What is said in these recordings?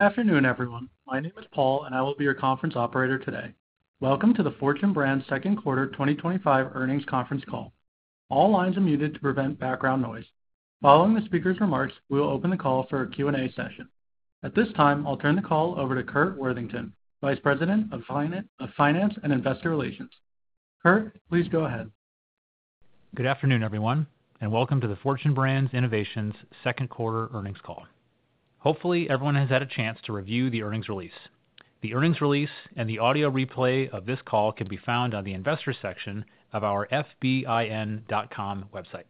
Afternoon everyone. My name is Paul and I will be your conference operator today. Welcome to Fortune Brands second quarter 2025 earnings conference call. All lines are muted to prevent background noise. Following the speaker's remarks, we will open the call for a Q&A session. At this time, I'll turn the call over to Curt Worthington, Vice President of Finance and Investor Relations. Curt, please go ahead. Good afternoon everyone and welcome to the Fortune Brands second quarter earnings call. Hopefully everyone has had a chance to review the earnings release. The earnings release and the audio replay of this call can be found on the Investors section of our FBIN.com website.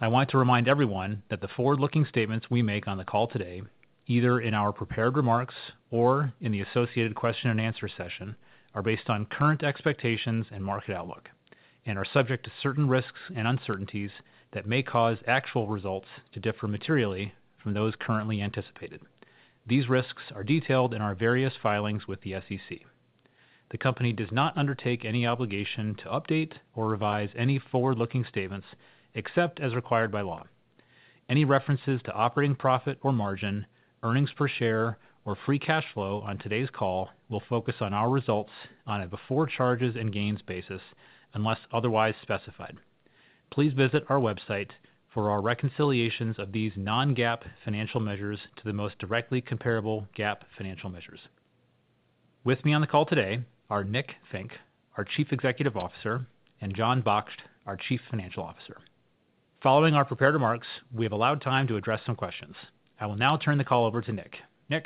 I want to remind everyone that the forward-looking statements we make on the call today, either in our prepared remarks or in the associated question and answer session, are based on current expectations and market outlook and are subject to certain risks and uncertainties that may cause actual results to differ materially from those currently anticipated. These risks are detailed in our various filings with the SEC. The company does not undertake any obligation to update or revise any forward-looking statements except as required by law. Any references to operating profit or margin, earnings per share, or free cash flow on today's call will focus on our results on a before charges and gains basis unless otherwise specified. Please visit our website for our reconciliations of these non-GAAP financial measures to the most directly comparable GAAP financial measures. With me on the call today are Nich Fink, our Chief Executive Officer, and Jon Baksht, our Chief Financial Officer. Following our prepared remarks, we have allowed time to address some questions. I will now turn the call over to Nick. Nick.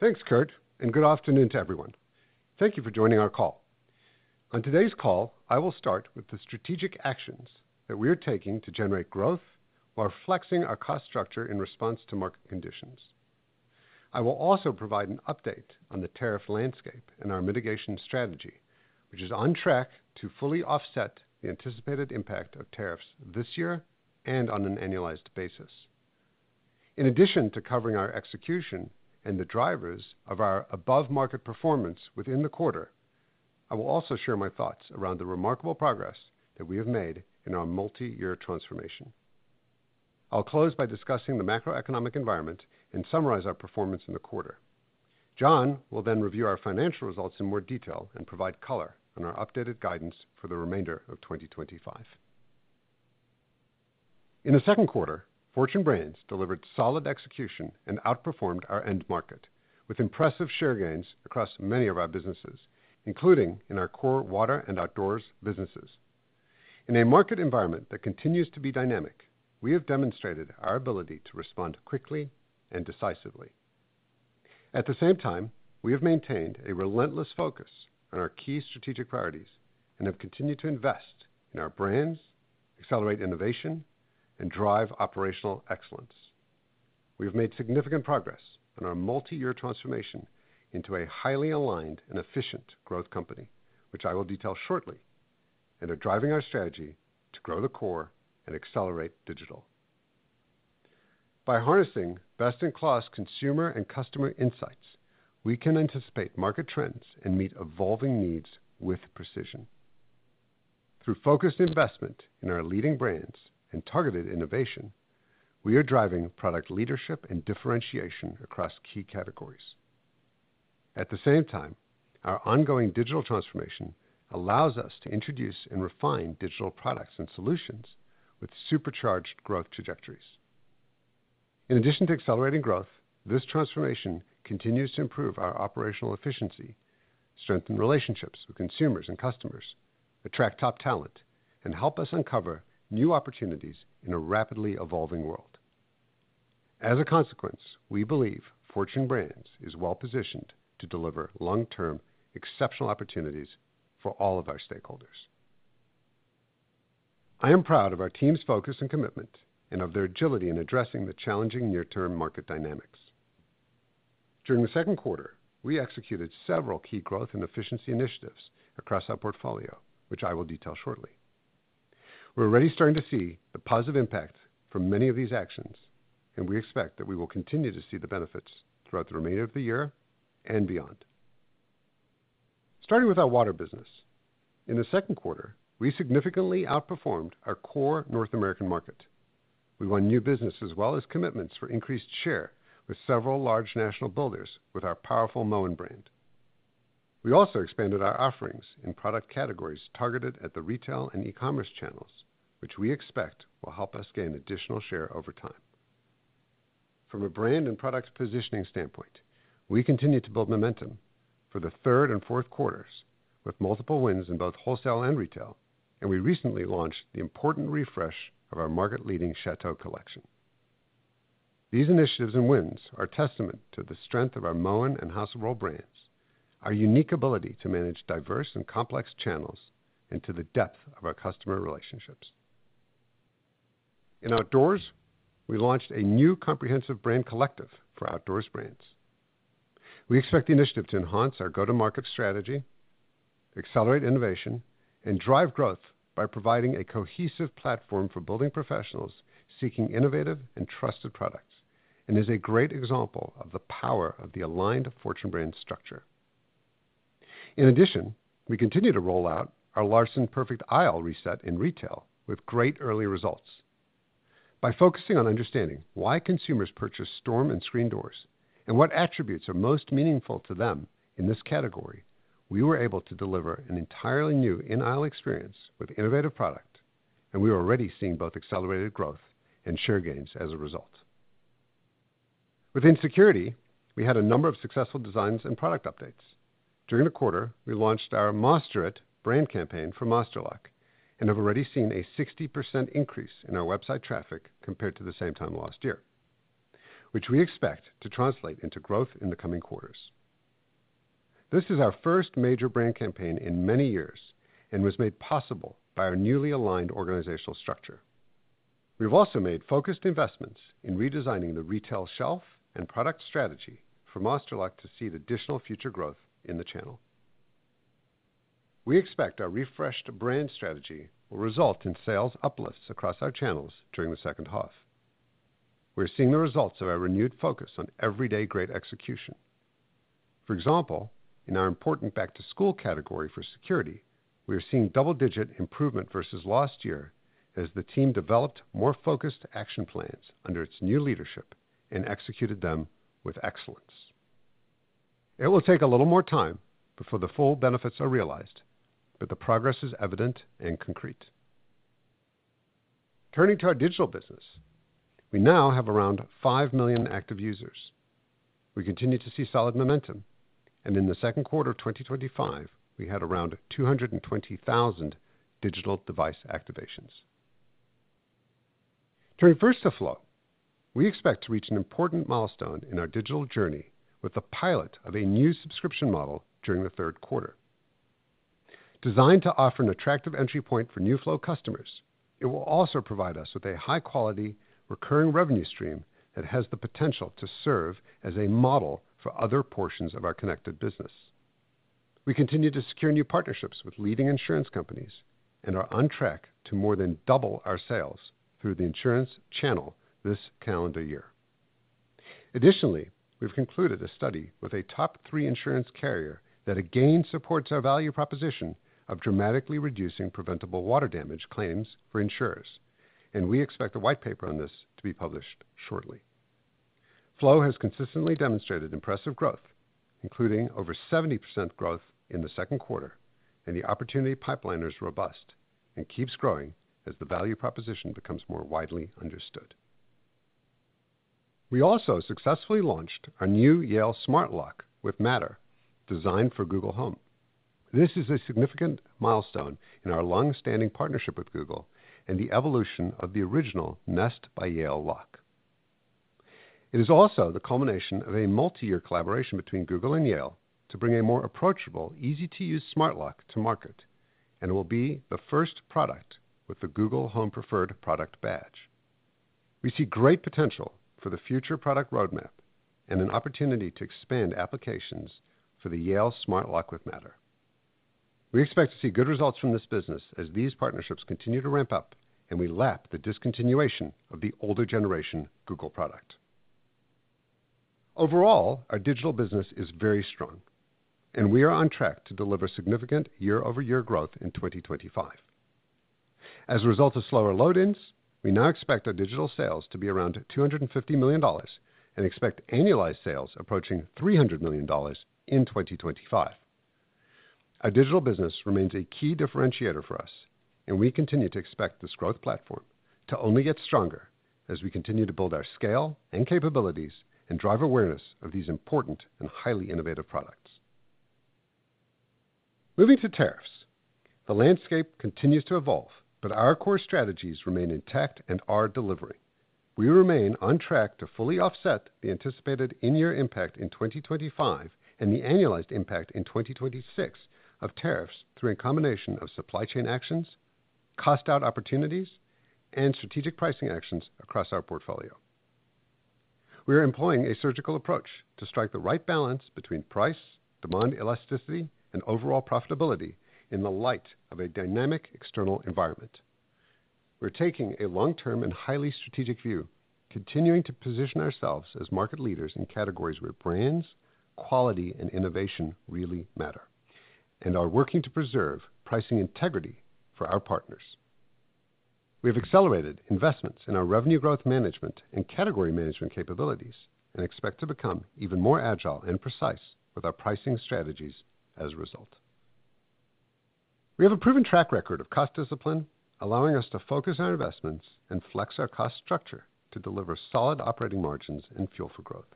Thanks Curt and good afternoon to everyone. Thank you for joining our call. On today's call, I will start with the strategic actions that we are taking to generate growth while flexing our cost structure in response to market conditions. I will also provide an update on the tariff landscape and our mitigation strategy, which is on track to fully offset the anticipated impact of tariffs this year and on an annualized basis. In addition to covering our execution and the drivers of our above market performance within the quarter, I will also share my thoughts around the remarkable progress that we have made in our multi-year transformation. I'll close by discussing the macroeconomic environment and summarize our performance in the quarter. John will then review our financial results in more detail and provide color on our updated guidance for the remainder of 2025. In the second quarter, Fortune Brands delivered solid execution and outperformed our end market with impressive share gains across many of our businesses, including in our core water and Outdoors businesses. In a market environment that continues to be dynamic, we have demonstrated our ability to respond quickly and decisively. At the same time, we have maintained a relentless focus on our key strategic priorities and have continued to invest in our brands, accelerate innovation, and drive operational excellence. We have made significant progress on our multi-year transformation into a highly aligned and efficient growth company, which I will detail shortly, and are driving our strategy to grow the core and accelerate digital. By harnessing best-in-class consumer and customer insights, we can anticipate market trends and meet evolving needs with precision. Through focused investment in our leading brands and targeted innovation, we are driving product leadership and differentiation across key categories. At the same time, our ongoing digital transformation allows us to introduce and refine digital products and solutions with supercharged growth trajectories. In addition to accelerating growth, this transformation continues to improve our operational efficiency, strengthen relationships with consumers and customers, attract top talent, and help us uncover new opportunities in a rapidly evolving world. As a consequence, we believe Fortune Brands is well positioned to deliver long-term exceptional opportunities for all of our stakeholders. I am proud of our team's focus and commitment, and of their agility in addressing the challenging near-term market dynamics. During the second quarter, we executed several key growth and efficiency initiatives across our portfolio, which I will detail shortly. We're already starting to see a positive impact from many of these actions, and we expect that we will continue to see the benefits throughout the remainder of the year and beyond. Starting with our water business, in the second quarter we significantly outperformed our core North American market. We won new business as well as commitments for increased share with several large national builders with our powerful Moen brand. We also expanded our offerings in product categories targeted at the retail and e-commerce channels, which we expect will help us gain additional share over time from a brand and product positioning standpoint. We continue to build momentum for the third and fourth quarters with multiple wins in both wholesale and retail, and we recently launched the important refresh of our market-leading Chateau collection. These initiatives and wins are testament to the strength of our Moen and House of Rohl brands, our unique ability to manage diverse and complex channels, and to the depth of our customer relationships. In Outdoors, we launched a new comprehensive brand collective for Outdoors brands. We expect the initiative to enhance our go-to-market strategy, accelerate innovation, and drive growth by providing a cohesive platform for building professionals seeking innovative and trusted products, and it is a great example of the power of the aligned Fortune Brands structure. In addition, we continue to roll out our LARSON Perfect Aisle reset in retail with great early results by focusing on understanding why consumers purchase storm and screen doors and what attributes are most meaningful to them. In this category, we were able to deliver an entirely new in-aisle experience with innovative product, and we are already seeing both accelerated growth and share gains as a result. Within Security, we had a number of successful designs and product updates during the quarter. We launched our Master It brand campaign for Master Lock and have already seen a 60% increase in our website traffic compared to the same time last year, which we expect to translate into growth in the coming quarters. This is our first major brand campaign in many years and was made possible by our newly aligned organizational structure. We've also made focused investments in redesigning the retail shelf and product strategy for Master Lock to see the additional future growth in the channel. We expect our refreshed brand strategy will result in sales uplifts across our channels. During the second half, we're seeing the results of our renewed focus on everyday great execution. For example, in our important back to school category for security, we are seeing double-digit improvement versus last year as the team developed more focused action plans under its new leadership and executed them with excellence. It will take a little more time before the full benefits are realized, but the progress is evident and concrete. Turning to our digital business, we now have around 5 million active users. We continue to see solid momentum, and in the second quarter of 2025, we had around 220,000 digital device activations. Turning first to Flow, we expect to reach an important milestone in our digital journey with the pilot of a new subscription model during the third quarter. Designed to offer an attractive entry point for new Flow customers, it will also provide us with a high-quality recurring revenue stream that has the potential to serve as a model for other portions of our connected business. We continue to secure new partnerships with leading insurance companies and are on track to more than double our sales through the insurance channel this calendar year. Additionally, we've concluded a study with a top three insurance carrier that again supports our value proposition of dramatically reducing preventable water damage claims for insurers, and we expect a white paper on this to be published shortly. Flow has consistently demonstrated impressive growth, including over 70% growth in the second quarter, and the opportunity pipeline is robust and keeps growing as the value proposition becomes more widely understood. We also successfully launched our new Yale Smart Lock with Matter designed for Google Home. This is a significant milestone in our long-standing partnership with Google and the evolution of the original Nest by Yale Lock. It is also the culmination of a multi-year collaboration between Google and Yale to bring a more approachable, easy-to-use smart lock to market and will be the first product with the Google Home preferred product badge. We see great potential for the future product roadmap and an opportunity to expand applications for the Yale Smart Lock with Matter. We expect to see good results from this business as these partnerships continue to ramp up and we lap the discontinuation of the older generation Google product. Overall, our digital business is very strong, and we are on track to deliver significant year-over-year growth in 2025 as a result of slower load ins. We now expect our digital sales to be around $250 million and expect annualized sales approaching $300 million in 2025. Our digital business remains a key differentiator for us, and we continue to expect this growth platform to only get stronger as we continue to build our scale and capabilities and drive awareness of these important and highly innovative products. Moving to tariffs, the landscape continues to evolve, but our core strategies remain intact and are delivering. We remain on track to fully offset the anticipated in-year impact in 2025 and the annualized impact in 2026 of tariffs. Through a combination of supply chain actions, cost out opportunities, and strategic pricing actions across our portfolio, we are employing a surgical approach to strike the right balance between price, demand elasticity, and overall profitability in the light of a dynamic external environment. We're taking a long-term and highly strategic view, continuing to position ourselves as market leaders in categories where brands, quality, and innovation really matter, and are working to preserve pricing integrity for our partners. We have accelerated investments in our revenue growth management and category management capabilities and expect to become even more agile and precise with our pricing strategies. As a result, we have a proven track record of cost discipline, allowing us to focus our investments and flex our cost structure to deliver solid operating margins and fuel for growth.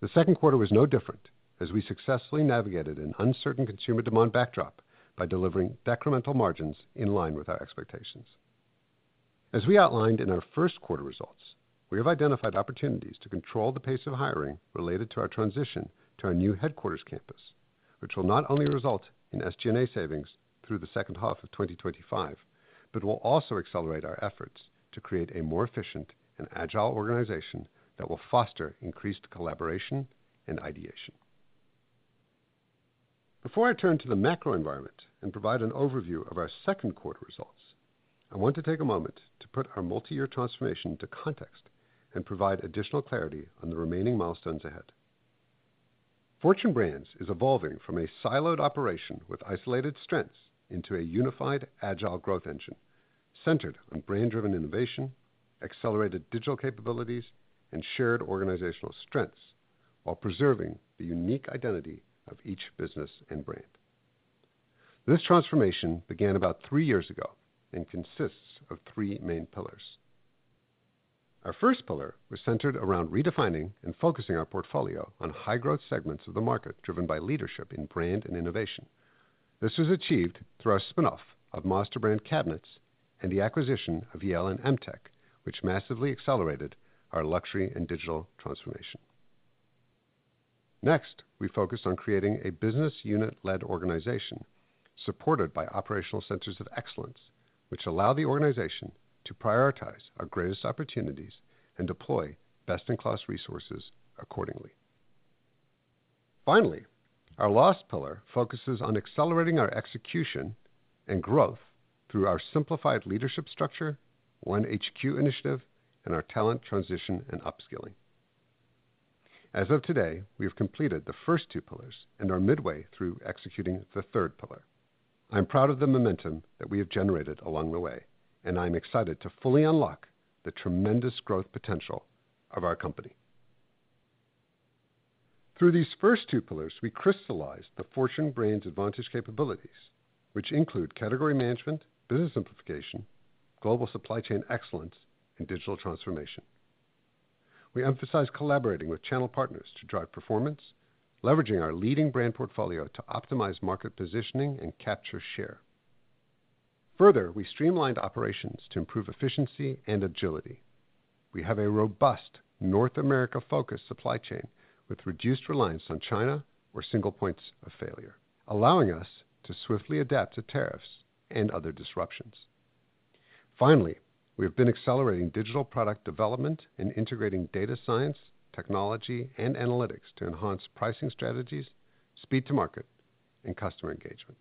The second quarter was no different as we successfully navigated an uncertain consumer demand backdrop by delivering decremental margins in line with our expectations. As we outlined in our first quarter results, we have identified opportunities to control the pace of hiring related to our transition to our new headquarters campus, which will not only result in SG&A savings through the second half of 2025, but will also accelerate our efforts to create a more efficient and agile organization that will foster increased collaboration and ideation. Before I turn to the macro environment and provide an overview of our second quarter results, I want to take a moment to put our multi-year transformation into context and provide additional clarity on the remaining milestones ahead. Fortune Brands is evolving from a siloed operation with isolated strengths into a unified, agile growth engine centered on brand-driven innovation, accelerated digital capabilities, and shared organizational strengths while preserving the unique identity of each business and brand. This transformation began about three years ago and consists of three main pillars. Our first pillar was centered around redefining and focusing our portfolio on high-growth segments of the market driven by leadership in brand and innovation. This was achieved through our spin-off of MasterBrand Cabinets and the acquisition of Yale and Emtek, which massively accelerated our luxury and digital transformation. Next, we focused on creating a business unit-led organization supported by operational Centers of Excellence, which allow the organization to prioritize our greatest opportunities and deploy best-in-class resources accordingly. Finally, our last pillar focuses on accelerating our execution and growth through our simplified leadership structure, One HQ initiative, and our talent transition and upskilling. As of today, we have completed the first two pillars and are midway through executing the third pillar. I'm proud of the momentum that we have generated along the way, and I'm excited to fully unlock the tremendous growth potential of our company. Through these first two pillars, we crystallized the Fortune Brands advantage capabilities, which include category management, business simplification, global supply chain excellence, and digital transformation. We emphasize collaborating with channel partners to drive performance, leveraging our leading brand portfolio to optimize market positioning and capture share. Further, we streamlined operations to improve efficiency and agility. We have a robust North America-focused supply chain with reduced reliance on China or single points of failure, allowing us to swiftly adapt to tariffs and other disruptions. Finally, we have been accelerating digital product development and integrating data science, technology, and analytics to enhance pricing strategies, speed to market, and customer engagement.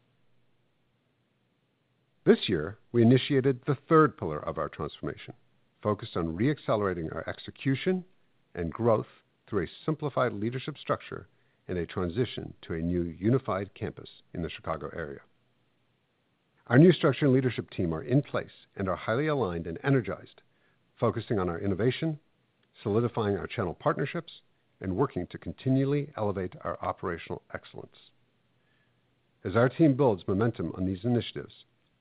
This year we initiated the third pillar of our transformation focused on re-accelerating our execution and growth through a simplified leadership structure and a transition to a new unified campus in the Chicago area. Our new structure and leadership team are in place and are highly aligned and energized, focusing on our innovation, solidifying our channel partnerships, and working to continually elevate our operational excellence. As our team builds momentum on these initiatives,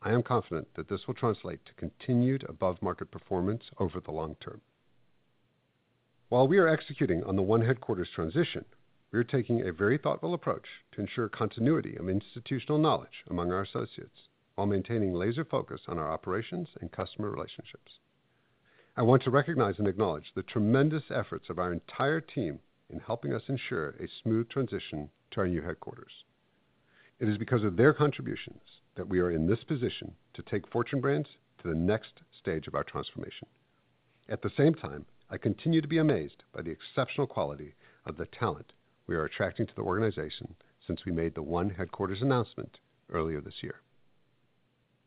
I am confident that this will translate to continued above-market performance over the long term. While we are executing on the One Headquarter transition, we are taking a very thoughtful approach to ensure continuity of institutional knowledge among our associates while maintaining laser focus on our operations and customer relationships. I want to recognize and acknowledge the tremendous efforts of our entire team in helping us ensure a smooth transition to our new headquarters. It is because of their contributions that we are in this position to Fortune Brands to the next stage of our transformation. At the same time, I continue to be amazed by the exceptional quality of the talent we are attracting to the organization since we made the One Headquarter announcement earlier this year.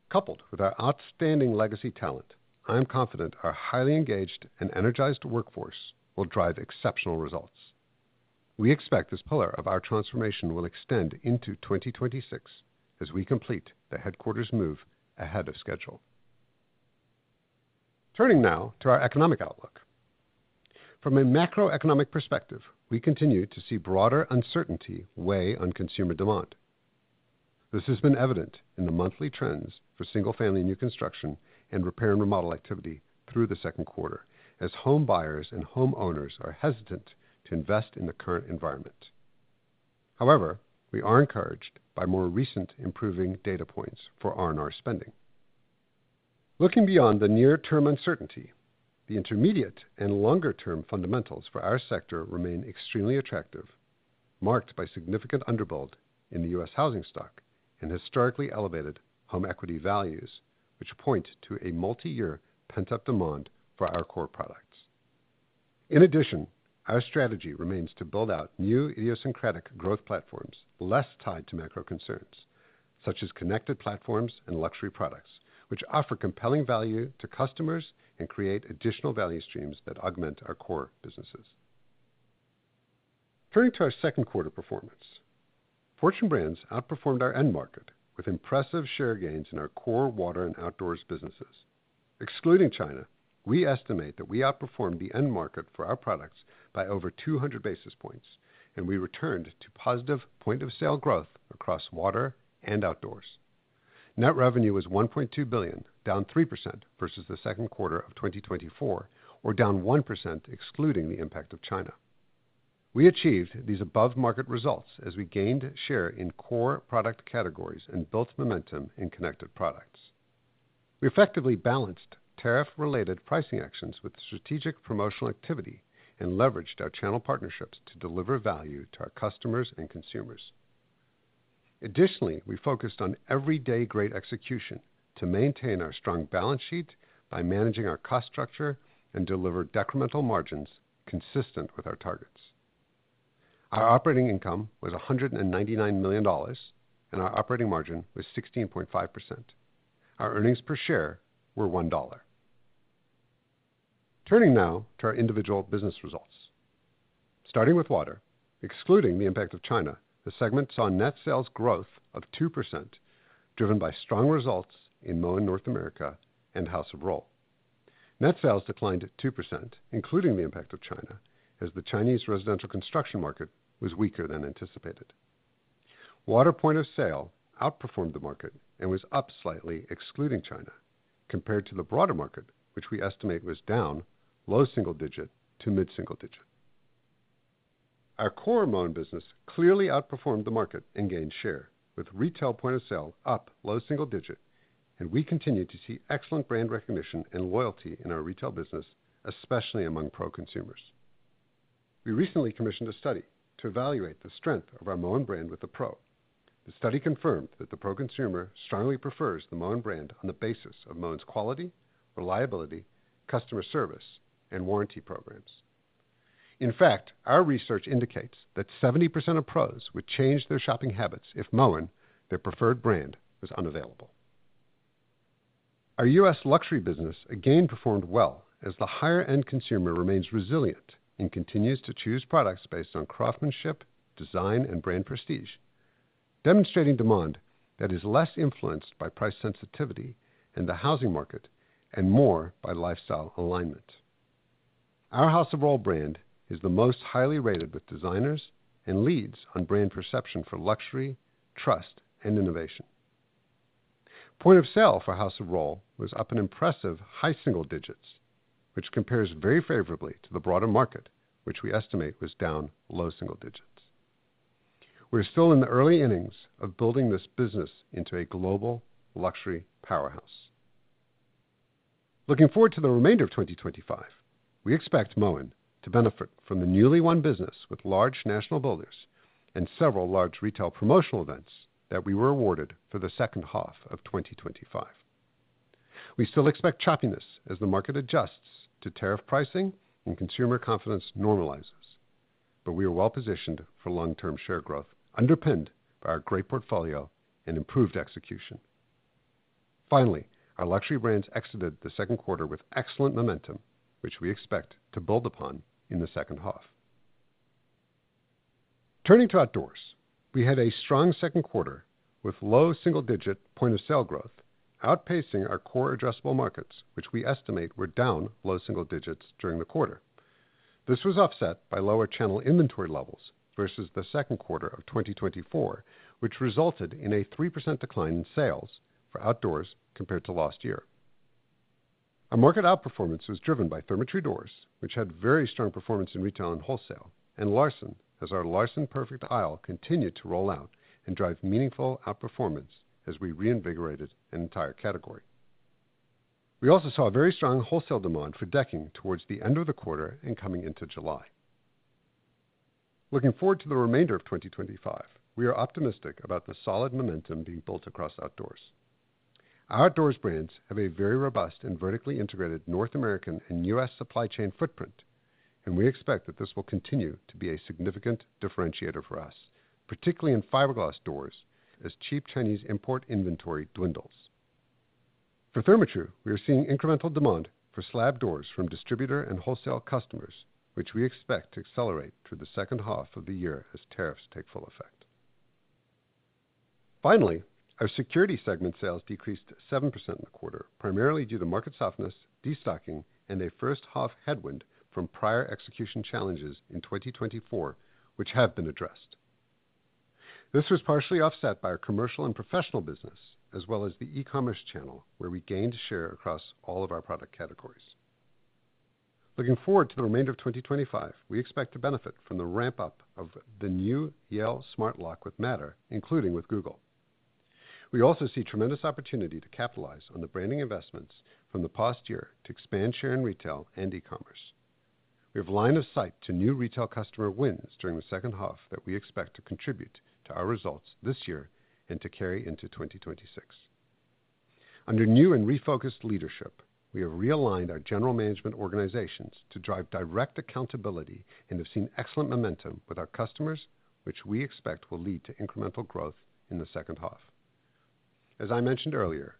Coupled with our outstanding legacy talent, I am confident our highly engaged and energized workforce will drive exceptional results. We expect this pillar of our transformation will extend into 2026 as we complete the headquarters move ahead of schedule. Turning now to our economic outlook, from a macroeconomic perspective, we continue to see broader uncertainty weigh on consumer demand. This has been evident in the monthly trends for single-family new construction and repair and remodel activity through the second quarter as home buyers and homeowners are hesitant to invest in the current environment. However, we are encouraged by more recent improving data points for R&R spending. Looking beyond the near-term uncertainty, the intermediate and longer-term fundamentals for our sector remain extremely attractive, marked by significant underbuild in the U.S. housing stock and historically elevated home equity values, which point to a multi-year pent-up demand for our core products. In addition, our strategy remains to build out new idiosyncratic growth platforms less tied to macro concerns such as connected platforms and luxury products, which offer compelling value to customers and create additional value streams that augment our core businesses. Turning to our second quarter performance. Fortune Brands outperformed our end market with impressive share gains in our core Water and Outdoors businesses excluding China. We estimate that we outperformed the end market for our products by over 200 basis points, and we returned to positive point of sale growth across Water and Outdoors. Net revenue was $1.2 billion, down 3% versus the second quarter of 2024, or down 1% excluding the impact of China. We achieved these above market results as we gained share in core product categories and built momentum in connected products. We effectively balanced tariff-related pricing actions with strategic promotional activity and leveraged our channel partnerships to deliver value to our customers and consumers. Additionally, we focused on everyday great execution to maintain our strong balance sheet by managing our cost structure and delivering decremental margins consistent with our targets. Our operating income was $199 million, and our operating margin was 16.5%. Our earnings per share were $1. Turning now to our individual business results, starting with Water, excluding the impact of China, the segment saw net sales growth of 2% driven by strong results in Moen North America and House of Rohl. Net sales declined 2% including the impact of China, as the Chinese residential construction market was weaker than anticipated. Water point of sale outperformed the market and was up slightly excluding China compared to the broader market, which we estimate was down low single digit to mid single digit. Our core Moen business clearly outperformed the market and gained share, with retail point of sale up low single digit, and we continue to see excellent brand recognition and loyalty in our retail business, especially among pro consumers. We recently commissioned a study to evaluate the strength of our Moen brand with the pro. The study confirmed that the pro consumer strongly prefers the Moen brand on the basis of Moen's quality, reliability, customer service, and warranty programs. In fact, our research indicates that 70% of pros would change their shopping habits if Moen, their preferred brand, was unavailable. Our U.S luxury business again performed well as the higher end consumer remains resilient and continues to choose products based on craftsmanship, design, and brand prestige, demonstrating demand that is less influenced by price sensitivity in the housing market and more by lifestyle alignment. Our House of Rohl brand is the most highly rated with designers and leads on brand perception for luxury, trust, and innovation. Point of sale for House of Rohl was up an impressive high single digits, which compares very favorably to the broader market, which we estimate was down low single digits. We're still in the early innings of building this business into a global luxury powerhouse. Looking forward to the remainder of 2025, we expect Moen to benefit from the newly won business with large national builders and several large retail promotional events that we were awarded for the second half of 2025. We still expect choppiness as the market adjusts to tariff pricing and consumer confidence normalizes, but we are well positioned for long term share growth underpinned by our great portfolio and improved execution. Finally, our luxury brands exited the second quarter with excellent momentum, which we expect to build upon in the second half. Turning to Outdoors, we had a strong second quarter with low single digit point of sale growth outpacing our core addressable markets, which we estimate were down low single digits during the quarter. This was offset by lower channel inventory levels versus the second quarter of 2024, which resulted in a 3% decline in sales for Outdoors compared to last year. Our market outperformance was driven by Therma-Tru doors, which had very strong performance in retail and wholesale, and LARSON as our LARSON Perfect Aisle continued to roll out and drive meaningful outperformance as we reinvigorated an entire category. We also saw very strong wholesale demand for decking towards the end of the quarter and coming into July. Looking forward to the remainder of 2025, we are optimistic about the solid momentum being built across Outdoors. Our Outdoors brands have a very robust and vertically integrated North American and U.S. supply chain footprint, and we expect that this will continue to be a significant differentiator for us, particularly in fiberglass doors. As cheap Chinese import inventory dwindles for Therma-Tru, we are seeing incremental demand for slab doors from distributor and wholesale customers, which we expect to accelerate through the second half of the year as tariffs take full effect. Finally, our Security segment sales decreased 7% in the quarter, primarily due to market softness, destocking, and a first half headwind from prior execution challenges in 2024, which have been addressed. This was partially offset by our commercial and professional business as well as the e-commerce channel, where we gained share across all of our product categories. Looking forward to the remainder of 2025, we expect to benefit from the ramp up of the new Yale Smart Lock with Matter, including with Google. We also see tremendous opportunity to capitalize on the branding investments from the past year to expand share in retail and e-commerce. We have line of sight to new retail customer wins during the second half that we expect to contribute to our results this year and to carry into 2026 under new and refocused leadership. We have realigned our general management organizations to drive direct accountability and have seen excellent momentum with our customers, which we expect will lead to incremental growth in the second half. As I mentioned earlier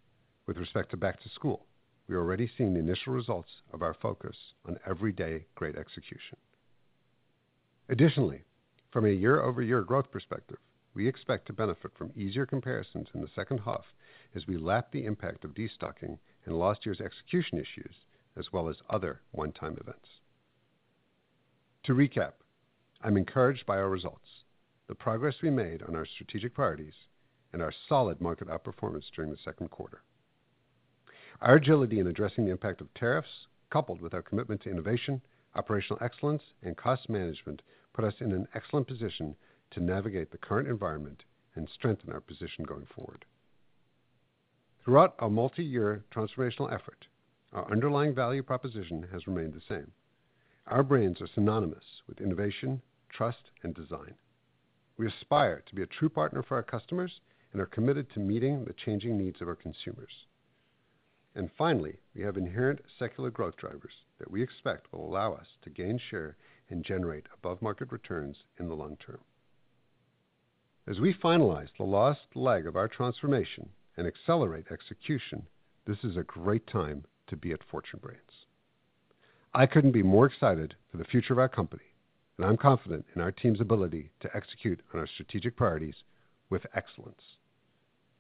with respect to back to school, we are already seeing the initial results of our focus on everyday great execution. Additionally, from a year-over-year growth perspective, we expect to benefit from easier comparisons in the second half as we lap the impact of destocking and last year's execution issues as well as other one-time events. To recap, I'm encouraged by our results, the progress we made on our strategic priorities, and our solid market outperformance during the second quarter. Our agility in addressing the impact of tariffs, coupled with our commitment to innovation, operational excellence, and cost management, put us in an excellent position to navigate the current environment and strengthen our position going forward. Throughout our multi-year transformational effort, our underlying value proposition has remained the same. Our brands are synonymous with innovation, trust, and design. We aspire to be a true partner for our customers and are committed to meeting the changing needs of our consumers. Finally, we have inherent secular growth drivers that we expect will allow us to gain share and generate above market returns in the long term as we finalize the last leg of our transformation and accelerate execution. This is a great time to be at Fortune Brands. I couldn't be more excited for the future of our company, and I'm confident in our team's ability to execute on our strategic priorities with excellence.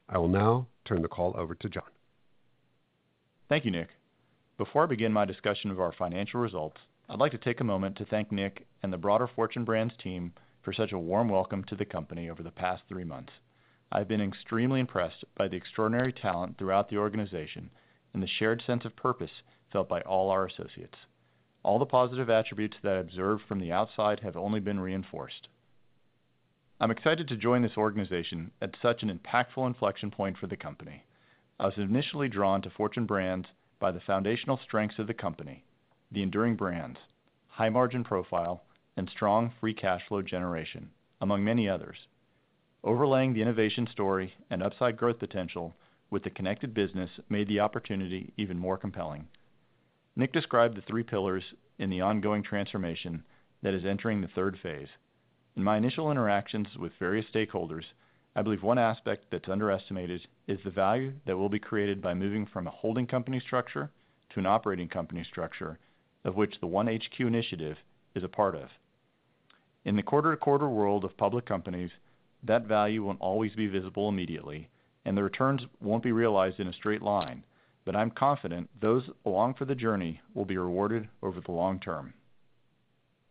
I will now turn the call over to Jon. Thank you, Nick. Before I begin my discussion of our financial results, I'd like to take a moment to thank Nick and the broader Fortune Brands team for such a warm welcome to the company. Over the past three months, I've been extremely impressed by the extraordinary talent throughout the organization and the shared sense of purpose felt by all our associates. All the positive attributes that I observed from the outside have only been reinforced. I'm excited to join this organization at such an impactful inflection point for the company. I was initially drawn to Fortune Brands by the foundational strengths of the company, the enduring brands, high margin profile, and strong free cash flow generation among many others. Overlaying the innovation story and upside growth potential with the connected business made the opportunity even more compelling. Nick described the three pillars in the ongoing transformation that is entering the third phase. In my initial interactions with various stakeholders, I believe one aspect that's underestimated is the value that will be created by moving from a holding company structure to an operating company structure, of which the One HQ initiative is a part. In the quarter-to-quarter world of public companies, that value won't always be visible immediately and the returns won't be realized in a straight line, but I'm confident those along for the journey will be rewarded over the long term.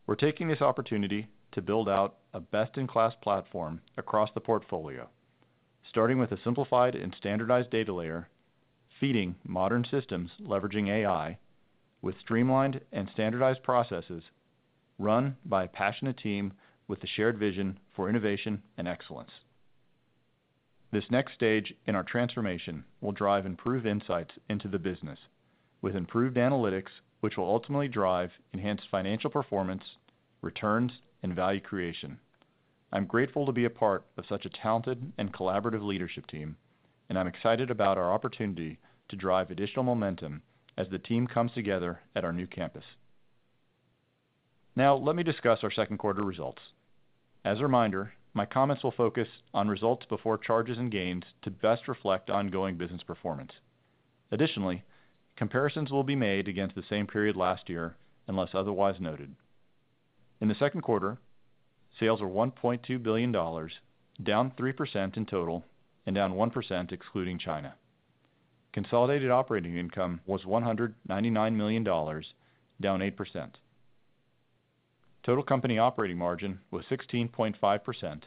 We're taking this opportunity to build out a best-in-class platform across the portfolio, starting with a simplified and standardized data layer feeding modern systems, leveraging AI with streamlined and standardized processes run by a passionate team with a shared vision for innovation and excellence. This next stage in our transformation will drive improved insights into the business with improved analytics, which will ultimately drive enhanced financial performance, returns, and value creation. I'm grateful to be a part of such a talented and collaborative leadership team and I'm excited about our opportunity to drive additional momentum as the team comes together at our new campus. Now let me discuss our second quarter results. As a reminder, my comments will focus on results before charges and gains to best reflect ongoing business performance. Additionally, comparisons will be made against the same period last year unless otherwise noted. In the second quarter, sales were $1.2 billion, down 3% in total and down 1% excluding China. Consolidated operating income was $199 million, down 8%. Total company operating margin was 16.5%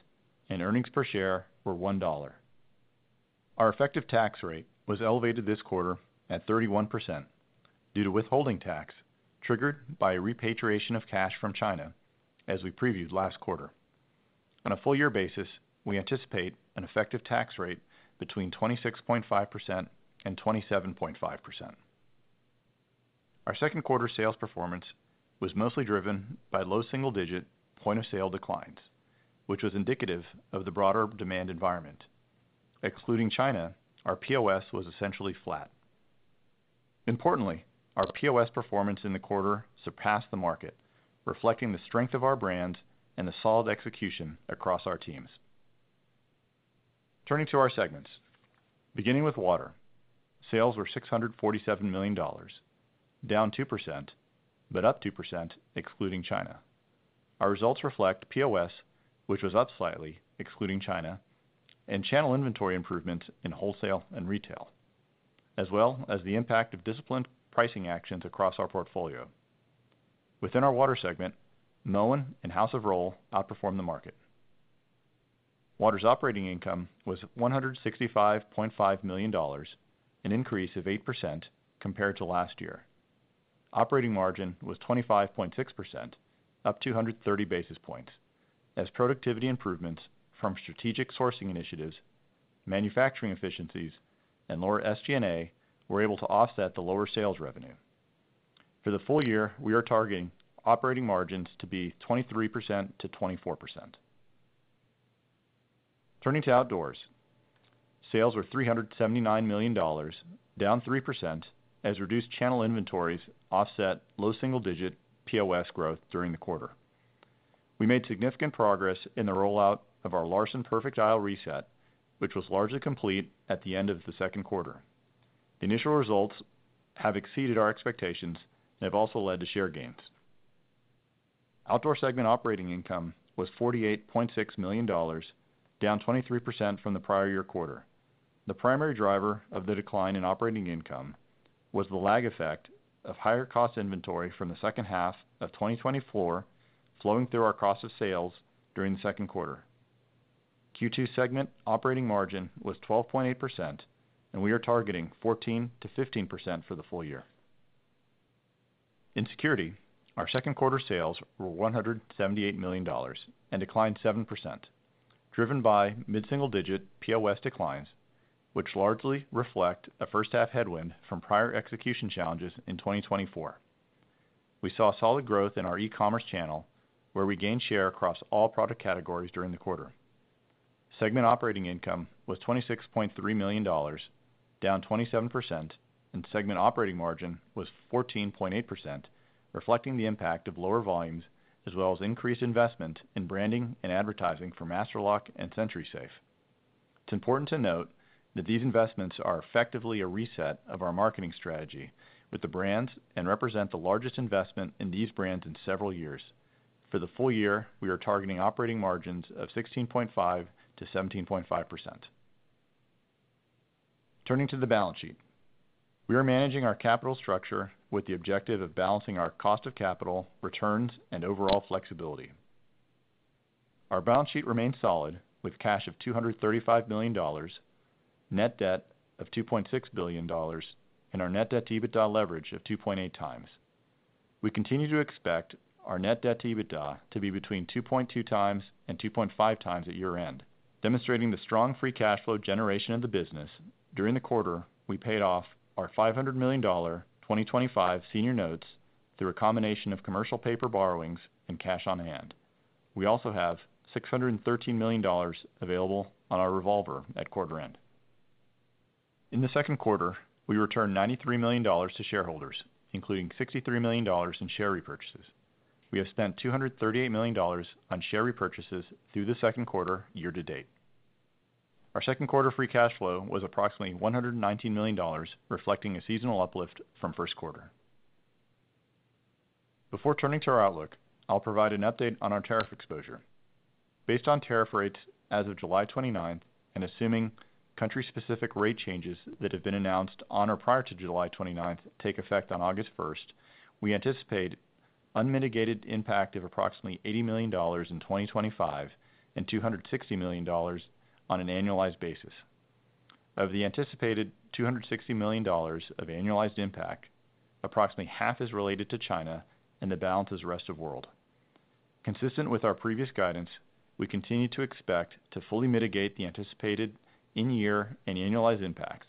and earnings per share were $1. Our effective tax rate was elevated this quarter at 31% due to withholding tax triggered by a repatriation of cash from China. As we previewed last quarter, on a full year basis, we anticipate an effective tax rate between 26.5% and 27.5%. Our second quarter sales performance was mostly driven by low single-digit point of sale declines, which was indicative of the broader demand environment. Excluding China, our POS was essentially flat. Importantly, our POS performance in the quarter surpassed the market, reflecting the strength of our brand and the solid execution across our teams. Turning to our segments, beginning with Water, sales were $647 million, down 2% but up 2% excluding China. Our results reflect POS, which was up slightly excluding China, and channel inventory improvements in wholesale and retail, as well as the impact of disciplined pricing actions across our portfolio. Within our Water segment, Moen and House of Rohl outperformed the market. Water's operating income was $165.5 million, an increase of 8% compared to last year. Operating margin was 25.6%, up 230 basis points as productivity improvements from strategic sourcing initiatives, manufacturing efficiencies, and lower SG&A were able to offset the lower sales revenue. For the full year, we are targeting operating margins to be 23% to 24%. Turning to Outdoors, sales were $379 million, down 3% as reduced channel inventories offset low single-digit POS growth. During the quarter, we made significant progress in the rollout of our LARSON Perfect Aisle reset, which was largely complete at the end of the second quarter. The initial results have exceeded our expectations and have also led to share gains. Outdoor segment operating income was $48.6 million, down 23% from the prior year quarter. The primary driver of the decline in operating income was the lag effect of higher cost inventory from the second half of 2024 flowing through our cost of sales. During the second quarter, Q2 segment operating margin was 12.8% and we are targeting 14% to 15% for the full year. In Security, our second quarter sales were $178 million and declined 7%, driven by mid single-digit POS declines, which largely reflect a first half headwind from prior execution challenges. In 2024 we saw a solid growth in our e-commerce channel where we gained share across all product categories. During the quarter, segment operating income was $26.3 million, down 27%, and segment operating margin was 14.8%, reflecting the impact of lower volumes as well as increased investment in branding and advertising for Master Lock and SentrySafe. It's important to note that these investments are effectively a reset of our marketing strategy with the brands and represent the largest investment in these brands in several years. For the full year, we are targeting operating margins of 16.5% to 17.5%. Turning to the balance sheet, we are managing our capital structure with the objective of balancing our cost of capital, returns, and overall flexibility. Our balance sheet remains solid with cash of $235 million, net debt of $2.6 billion, and our net debt to EBITDA leverage of 2.8 times. We continue to expect our net debt to EBITDA to be between 2.2 times and 2.5 times at year end, demonstrating the strong free cash flow generation of the business. During the quarter, we paid off our $500 million 2025 senior notes through a combination of commercial paper borrowings and cash on hand. We also have $613 million available on our revolver at quarter end. In the second quarter, we returned $93 million to shareholders, including $63 million in share repurchases. We have spent $238 million on share repurchases through the second quarter year to date. Our second quarter free cash flow was approximately $119 million, reflecting a seasonal uplift from first quarter. Before turning to our outlook, I'll provide an update on our tariff exposure. Based on tariff rates as of July 29 and assuming country specific rate changes that have been announced on or prior to July 29 take effect on August 1st, we anticipate unmitigated impact of approximately $80 million in 2025 and $260 million on an annualized basis. Of the anticipated $260 million of annualized impact, approximately half is related to China and the balance is rest of world. Consistent with our previous guidance, we continue to expect to fully mitigate the anticipated in-year and annualized impacts.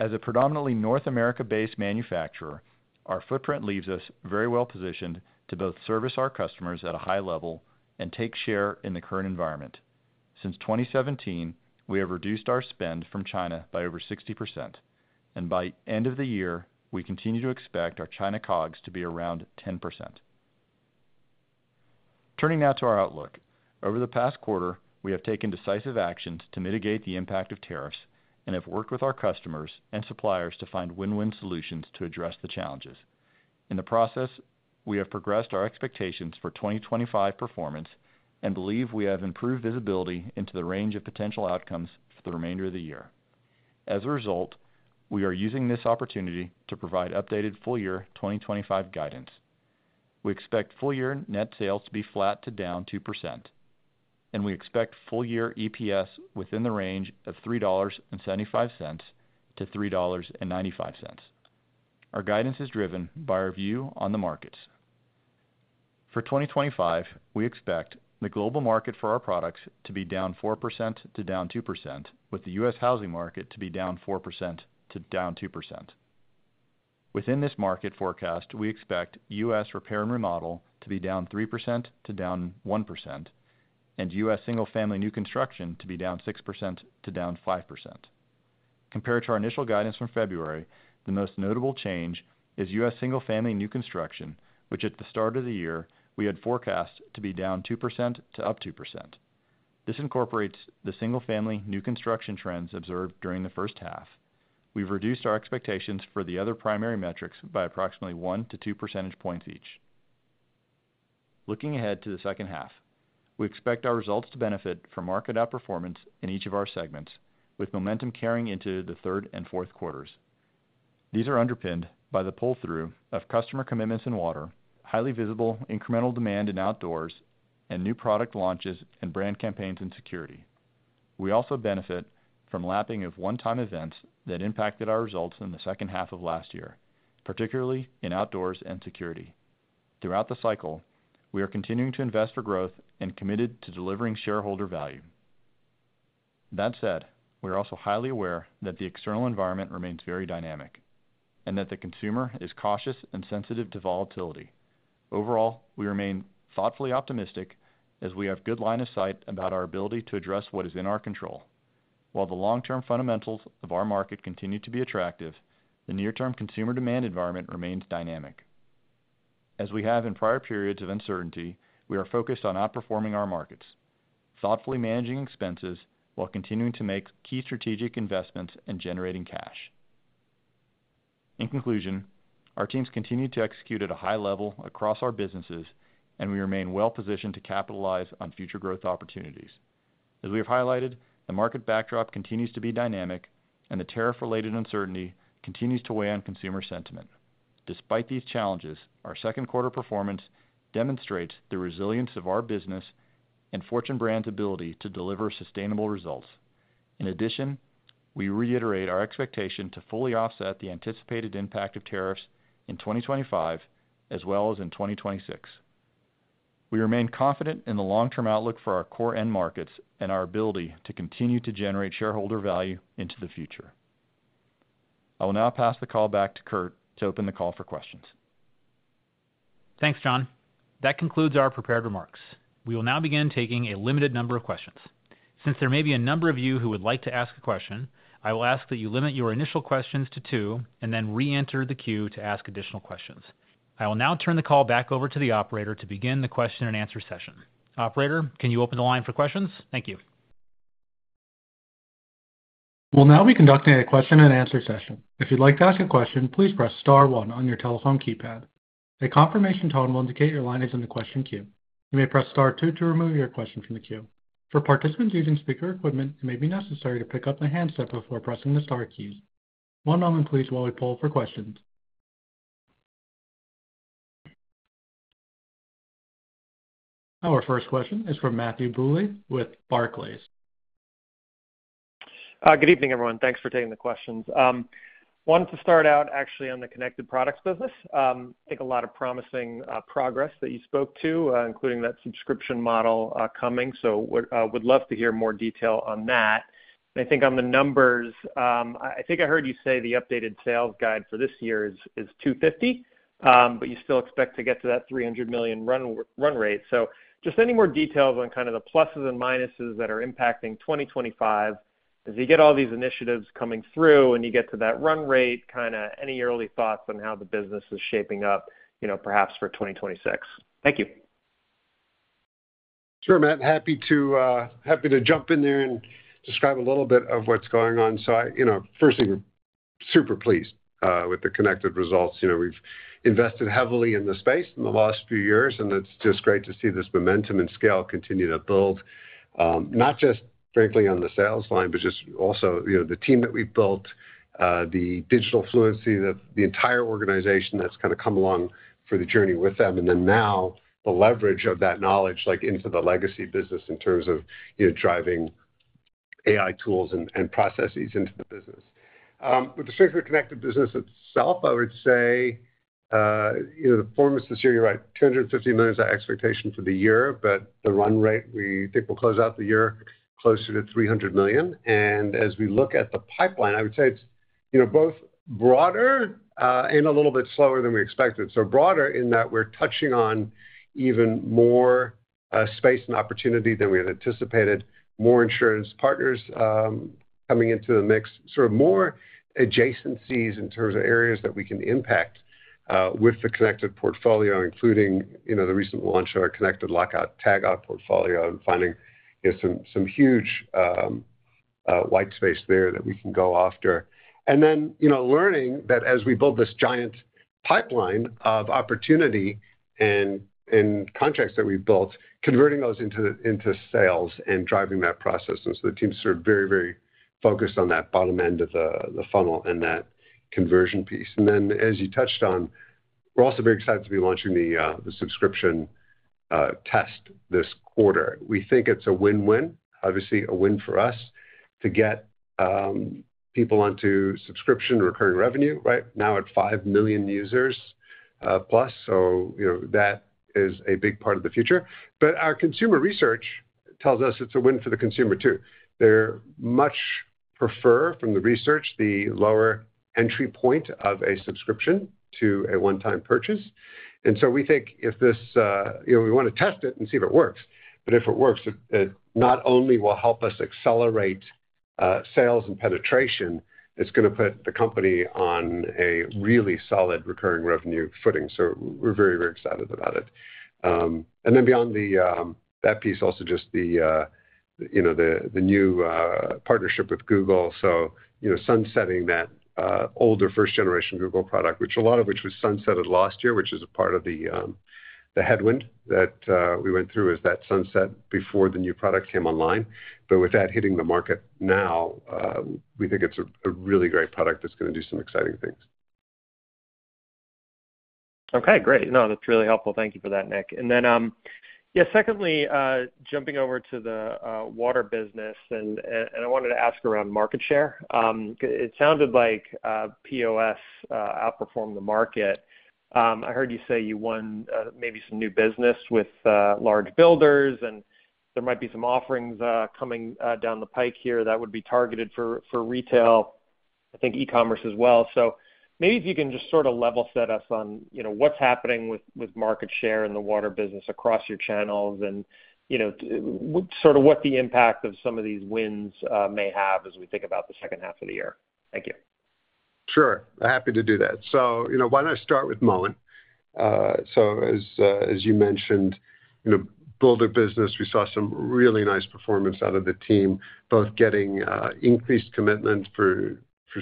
As a predominantly North America based manufacturer, our footprint leaves us very well positioned to both service our customers at a high level and take share in the current environment. Since 2017 we have reduced our spend from China by over 60% and by end of the year we continue to expect our China COGS to be around 10%. Turning now to our outlook, over the past quarter we have taken decisive actions to mitigate the impact of tariffs and have worked with our customers and suppliers to find win-win solutions to address the challenges in the process. We have progressed our expectations for 2025 performance and believe we have improved visibility into the range of potential outcomes for the remainder of the year. As a result, we are using this opportunity to provide updated full year 2025 guidance. We expect full year net sales to be flat to down 2%, and we expect full year EPS within the range of $3.75 to $3.95. Our guidance is driven by our view on the markets for 2025. We expect the global market for our products to be down 4% to down 2%, with the U.S. housing market to be down 4% to down 2%. Within this market forecast, we expect U.S. repair and remodel to be down 3% to down 1%, and U.S. single family new construction to be down 6% to down 5%. Compared to our initial guidance from February, the most notable change is U.S. single family new construction, which at the start of the year we had forecast to be down 2% to up 2%. This incorporates the single family new construction trends observed during the first half. We've reduced our expectations for the other primary metrics by approximately 1% to 2% each. Looking ahead to the second half, we expect our results to benefit from market outperformance in each of our segments, with momentum carrying into the third and fourth quarters. These are underpinned by the pull-through of customer commitments in Water, highly visible incremental demand in Outdoors, and new product launches and brand campaigns in Security. We also benefit from lapping of one-time events that impacted our results in the second half of last year, particularly in Outdoors and Security. Throughout the cycle, we are continuing to invest for growth and committed to delivering shareholder value. That said, we are also highly aware that the external environment remains very dynamic and that the consumer is cautious and sensitive to volatility. Overall, we remain thoughtfully optimistic as we have good line of sight about our ability to address what is in our control. While the long-term fundamentals of our market continue to be attractive, the near-term consumer demand environment remains dynamic. As we have in prior periods of uncertainty, we are focused on outperforming our markets, thoughtfully managing expenses while continuing to make key strategic investments and generating cash. In conclusion, our teams continue to execute at a high level across our businesses, and we remain well positioned to capitalize on future growth opportunities. As we have highlighted, the market backdrop continues to be dynamic, and the tariff-related uncertainty continues to weigh on consumer sentiment. Despite these challenges, our second quarter performance demonstrates the resilience of our business and Fortune Brands' ability to deliver sustainable results. In addition, we reiterate our expectation to fully offset the anticipated impact of tariffs in 2025 as well as in 2026. We remain confident in the long-term outlook for our core end markets and our ability to continue to generate shareholder value into the future. I will now pass the call back to Curt to open the call for questions. Thanks, Jon. That concludes our prepared remarks. We will now begin taking a limited number of questions. Since there may be a number of you who would like to ask a question, I will ask that you limit your initial questions to two and then re-enter the queue to ask additional questions. I will now turn the call back over to the operator to begin the question and answer session. Operator, can you open the line for questions? Thank you. We'll now be conducting a question and answer session. If you'd like to ask a question, please press Star 1 on your telephone keypad. A confirmation tone will indicate your line is in the question queue. You may press Star 2 to remove your question from the queue. For participants using speaker equipment, it may be necessary to pick up the handset before pressing the Star keys. One moment, please, while we poll for questions. Our first question is from Matthew Bouley with Barclays. Good evening, everyone. Thanks for taking the questions. Wanted to start out actually on the connected products business. I think a lot of promising progress that you spoke to, including that subscription model coming. I would love to hear more detail on that, I think on the numbers. I think I heard you say the updated sales guide for this year is $250 million, but you still expect to get to that $300 million run rate. Just any more details on kind of the pluses and minuses that are impacting 2025 as you get all these initiatives coming through and you get to that run rate. Any early thoughts on how the business is shaping up perhaps for 2026? Thank you. Sure, Matt, happy to jump in there and describe a little bit of what's going on. Firstly, we're super pleased with the connected results. We've invested heavily in the space in the last few years, and it's just great to see this momentum and scale continue to build, not just frankly on the sales line, but also the team that we've built, the digital fluency, the entire organization that's come along the journey with them, and now the leverage of that knowledge into the legacy business in terms of driving AI tools and processes into the business. With the strength of the connected business itself. I would say the performance this year, you're right, $250 million is our expectation for the year, but the run rate we think we'll close out the year closer to $300 million. As we look at the pipeline, I would say it's both broader and a little bit slower than we expected. Broader in that we're touching on even more space and opportunity than we had anticipated, more insurance partners coming into the mix, more adjacencies in terms of areas that we can impact with the connected portfolio, including the recent launch of our connected lockout tagout portfolio and finding some huge white space there that we can go after, and then learning that as we build this giant pipeline of opportunity and contracts that we built, converting those into sales and driving that process, the teams are very, very focused on that bottom end of the funnel and that conversion piece. As you touched on, we're also very excited to be launching the subscription test this quarter. We think it's a win-win, obviously a win for us to get people onto subscription. Recurring revenue now at 5 million users plus, so that is a big part of the future. Our consumer research tells us it's a win for the consumer too. They much prefer from the research the lower entry point of a subscription to a one-time purchase. We want to test it and see if it works. If it works, not only will it help us accelerate sales and penetration, it's going to put the company on a really solid recurring revenue footing. We're very, very excited about it. Beyond that piece, also just the new partnership with Google. Sunsetting that older first generation Google product, a lot of which was sunsetted last year, which is a part of the headwind that we went through is that sunset before the new product came online. With that hitting the market now, we think it's a really great product that's going to do some exciting things. Okay, great. No, that's really helpful. Thank you for that, Nick. Secondly, jumping over to the water business, I wanted to ask around market share. It sounded like POS outperformed the market. I heard you say you won maybe some new business with large builders and there might be some offerings coming down the pike here that would be targeted for retail, I think e-commerce as well. Maybe if you can just sort of level set us on what's happening with market share in the water business across your channels and sort of what the impact of some of these wins may have as we think about the second half of the year. Thank you. Sure, happy to do that. Why don't I start with Moen, as you mentioned, build a business. We saw some really nice performance out of the team, both getting increased commitment for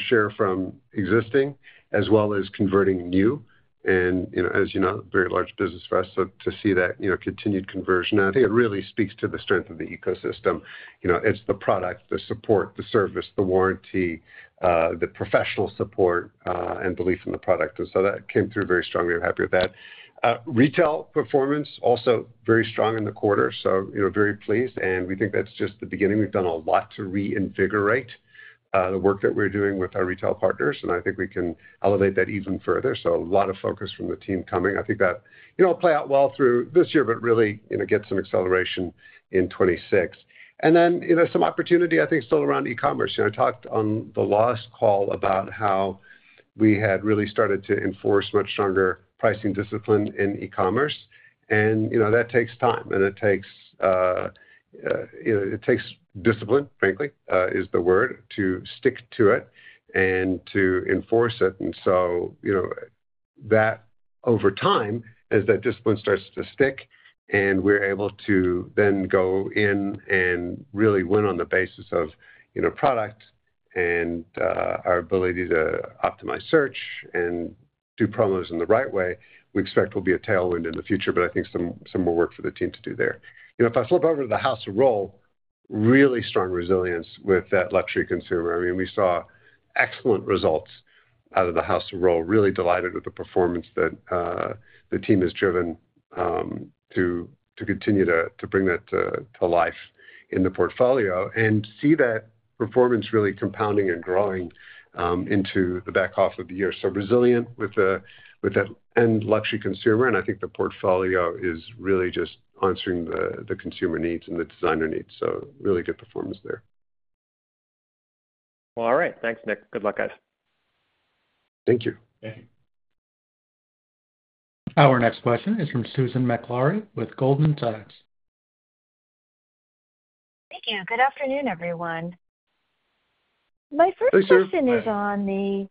share from existing as well as converting new and, as you know, very large business. For us to see that continued conversion, I think it really speaks to the strength of the ecosystem. It's the product, the support, the service, the warranty, the professional support, and belief in the product. That came through very strongly. I'm happy with that. Retail performance also very strong in the quarter, so very pleased. We think that's just the beginning. We've done a lot to reinvigorate the work that we're doing with our retail partners, and I think we can elevate that even further. A lot of focus from the team coming. I think that will play out well through this year, but really get some acceleration in 2026, and then some opportunity, I think, still around e-commerce. I talked on the last call about how we had really started to enforce much stronger pricing discipline in e-commerce. That takes time, and it takes discipline, frankly is the word, to stick to it and to enforce it. Over time, as that discipline starts to stick and we're able to then go in and really win on the basis of product and our ability to optimize search and do promos in the right way, we expect will be a tailwind in the future. I think some more work for the team to do there. If I flip over to the House of Rohl, really strong resilience with that luxury consumer. We saw excellent results out of the House of Rohl. Really delighted with the performance that the team has driven to continue to bring that to life in the portfolio and see that performance really compounding and growing into the back half of the year. Resilient with that end luxury consumer, and I think the portfolio is really just answering the consumer needs and the designer needs. Really good performance there. All right. Thanks, Nick.Good luck, guys. Thank you. Our next question is from Susan Maklari with Goldman Sachs. Thank you. Good afternoon, everyone. My first question is on the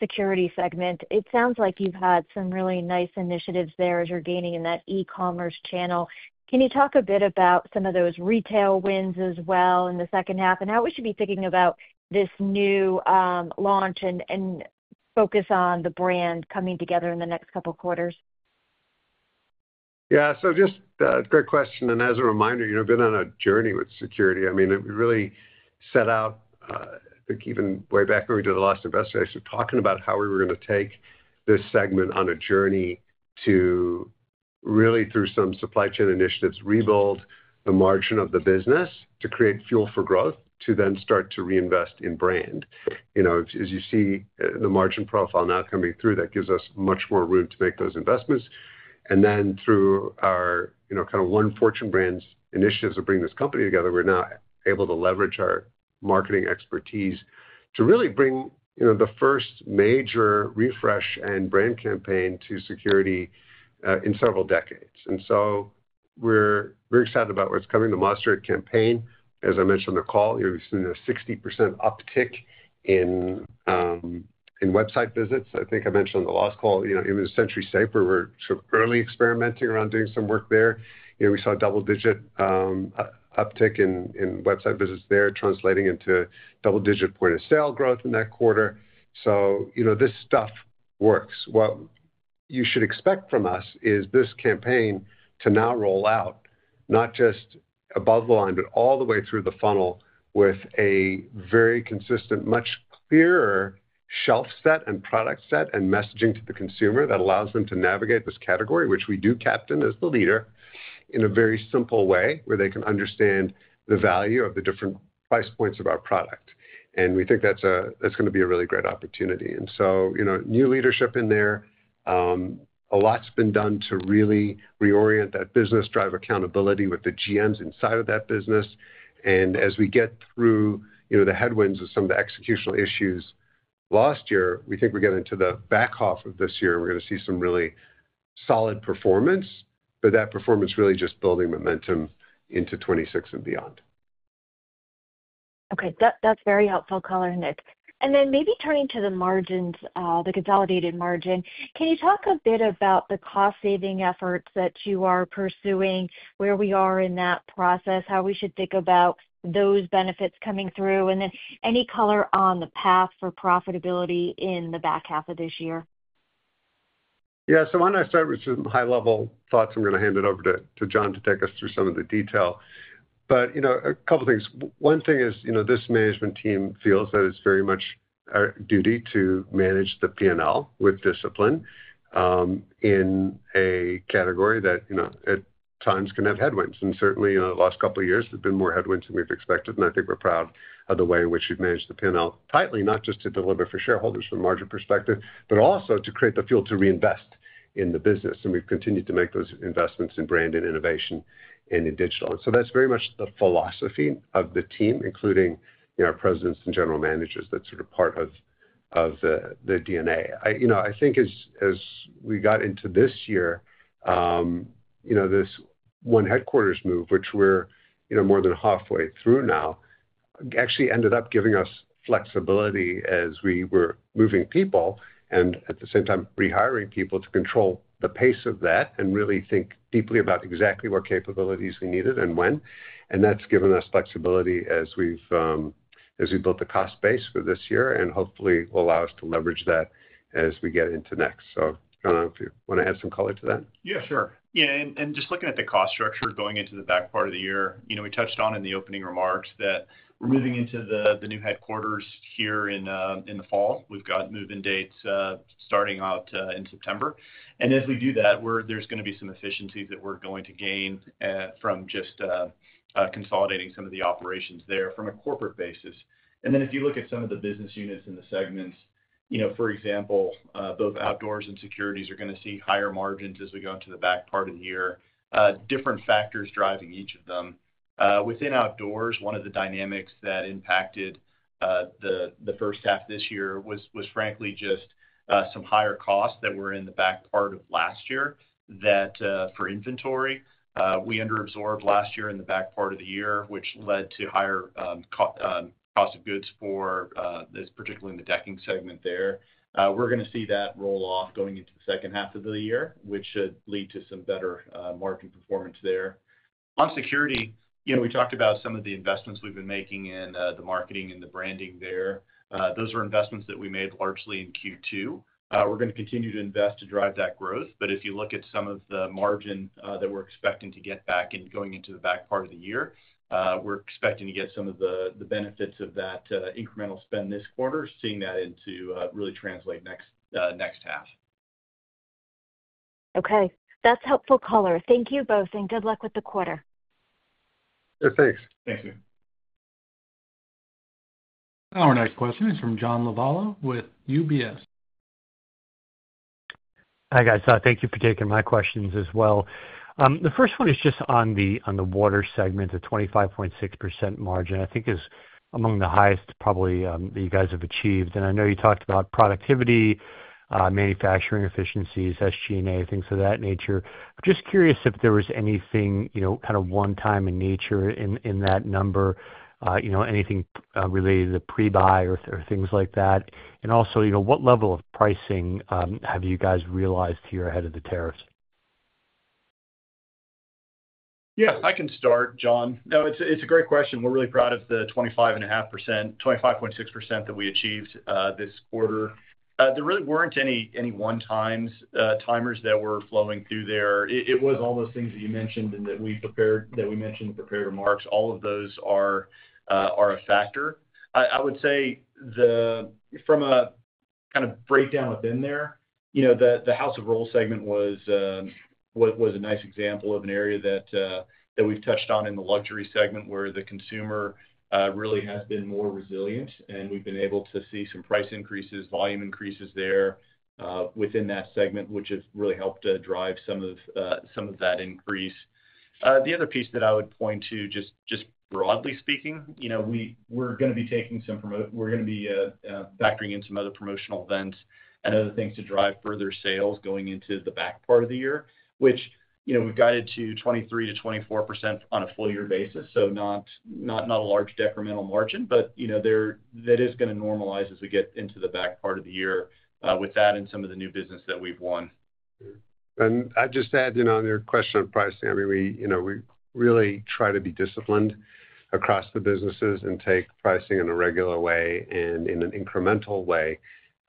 security segment. It sounds like you've had some really. Nice initiatives there as you're gaining in. That e-commerce channel. Can you talk a bit about some of those retail wins as well in the second half, and how we should be thinking about this new launch and focus on the brand coming together? In the next couple quarters? Yeah. Great question. As a reminder, you know, been on a journey with Security. We really set out even way back when we did the last investigation, talking about how we were going to take this segment on a journey to really, through some supply chain initiatives, rebuild the margin of the business to create fuel for growth, to then start to reinvest in brand. As you see the margin profile now coming through, that gives us much more room to make those investments. Through our One Fortune Brands initiative of bringing this company together, we're now able to leverage our marketing expertise to really bring the first major refresh and brand campaign to Security in several decades. We're very excited about what's coming. The Master campaign, as I mentioned on the call, we've seen a 60% uptick in website visits. I think I mentioned on the last call, even in SentrySafe we're early experimenting around doing some work there. We saw a double-digit uptick in website visits there translating into double-digit point of sale growth in that quarter. This stuff works. What you should expect from us is this campaign to now roll out not just above the line but all the way through the funnel with a very consistent, much clearer shelf set and product set and messaging to the consumer that allows them to navigate this category, which we do captain as the leader, in a very simple way where they can understand the value of the different price points of our product. We think that's going to be a really great opportunity. New leadership in there. A lot's been done to really reorient that business, drive accountability with the GMs inside of that business. As we get through the headwinds of some of the executional issues last year, we think as we get into the back half of this year, we're going to see some really solid performance. That performance is really just building momentum into 2026 and beyond. Okay, that's very helpful. Color, Nick. Maybe turning to the margins, the consolidated margin. Can you talk a bit about the cost savings efforts that you are pursuing, where we are in that process, how we should think about those benefits coming through, and then any color on the. Path for profitability in the back half of this year. Yeah. Why don't I start with some high level thoughts. I'm going to hand it over to John to take us through some of the detail, but a couple things. One thing is this management team feels that it's very much our duty to manage the P&L with discipline in a category that at times can have headwinds. Certainly the last couple of years there've been more headwinds than we've expected. I think we're proud of the way in which we've managed the P&L tightly, not just to deliver for shareholders from a margin perspective, but also to create the fuel to reinvest in the business. We've continued to make those investments in brand and innovation and in digital. That's very much the philosophy of the team, including our Presidents and General Managers. That's sort of part of the DNA. I think as we got into this year, this One Headquarters move, which we're more than halfway through now, actually ended up giving us flexibility as we were moving people and at the same time rehiring people to control the pace of that and really think deeply about exactly what capabilities we needed and when. That's given us flexibility as we've built the cost base for this year and hopefully will allow us to leverage that as we get into next. I don't know if you want to add some color to that. Yeah, sure, yeah. Just looking at the cost structure going into the back part of the year, we touched on in the opening remarks that we're moving into the new headquarters here in the fall. We've got move-in dates starting out in September. As we do that, there's going to be some efficiencies that we're going to gain from just consolidating some of the operations there from a corporate basis. If you look at some of the business units in the segments, for example, both Outdoors and Security are going to see higher margins as we go into the back part of the year. Different factors are driving each of them. Within Outdoors, one of the dynamics that impacted the first half this year was frankly just some higher costs that were in the back part of last year for inventory. We under absorbed last year in the back part of the year, which led to higher cost of goods for this, particularly in the decking segment there. We're going to see that roll off going into the second half of the year, which should lead to some better margin performance there. On Security, we talked about some of the investments we've been making and the marketing and the branding there. Those are investments that we made largely in Q2. We're going to continue to invest to drive that growth. If you look at some of the margin that we're expecting to get back going into the back part of the year, we're expecting to get some of the benefits of that incremental spend this quarter, seeing that really translate next half. Okay, that's helpful color. Thank you both and good luck with the quarter. Yeah. Thanks. Thanks Nick. Our next question is from John Lovallo with UBS. Hi guys. Thank you for taking my questions as well. The first one is just on the Water segment. A 25.6% margin I think is among the highest probably you guys have achieved. I know you talked about productivity. Manufacturing efficiencies, SG&A, things of that nature. Just curious if there was anything, you know, kind of one time in nature in that number, you know, anything related to pre buy or things like that. Also, you know, what level of pricing have you guys realized here ahead of the tariffs? Yeah, I can start, Jon. No, it's a great question. We're really proud of the 25.6% that we achieved this quarter. There really weren't any one times timers that were flowing through there. It was all those things that you mentioned and that we prepared, that we mentioned in prepared remarks. All of those are a factor. I would say from a kind of breakdown within there, the House of Rohl segment was a nice example of an area that we've touched on in the luxury segment where the consumer really has been more resilient and we've been able to see some price increases, volume increases there within that segment, which has really helped drive some of that increase. The other piece that I would point to, just broadly speaking, you know, we're going to be taking some, we're going to be factoring in some other promotional events and other things to drive further sales going into the back part of the year, which, you know, we've guided to 23% to 24% on a full year basis. Not a large decremental margin, but, you know, that is going to normalize as we get into the back part of the year with that and some of the new business that we've won. I'd just add on your question of pricing, we really try to be disciplined across the businesses and take pricing in a regular way and in an incremental way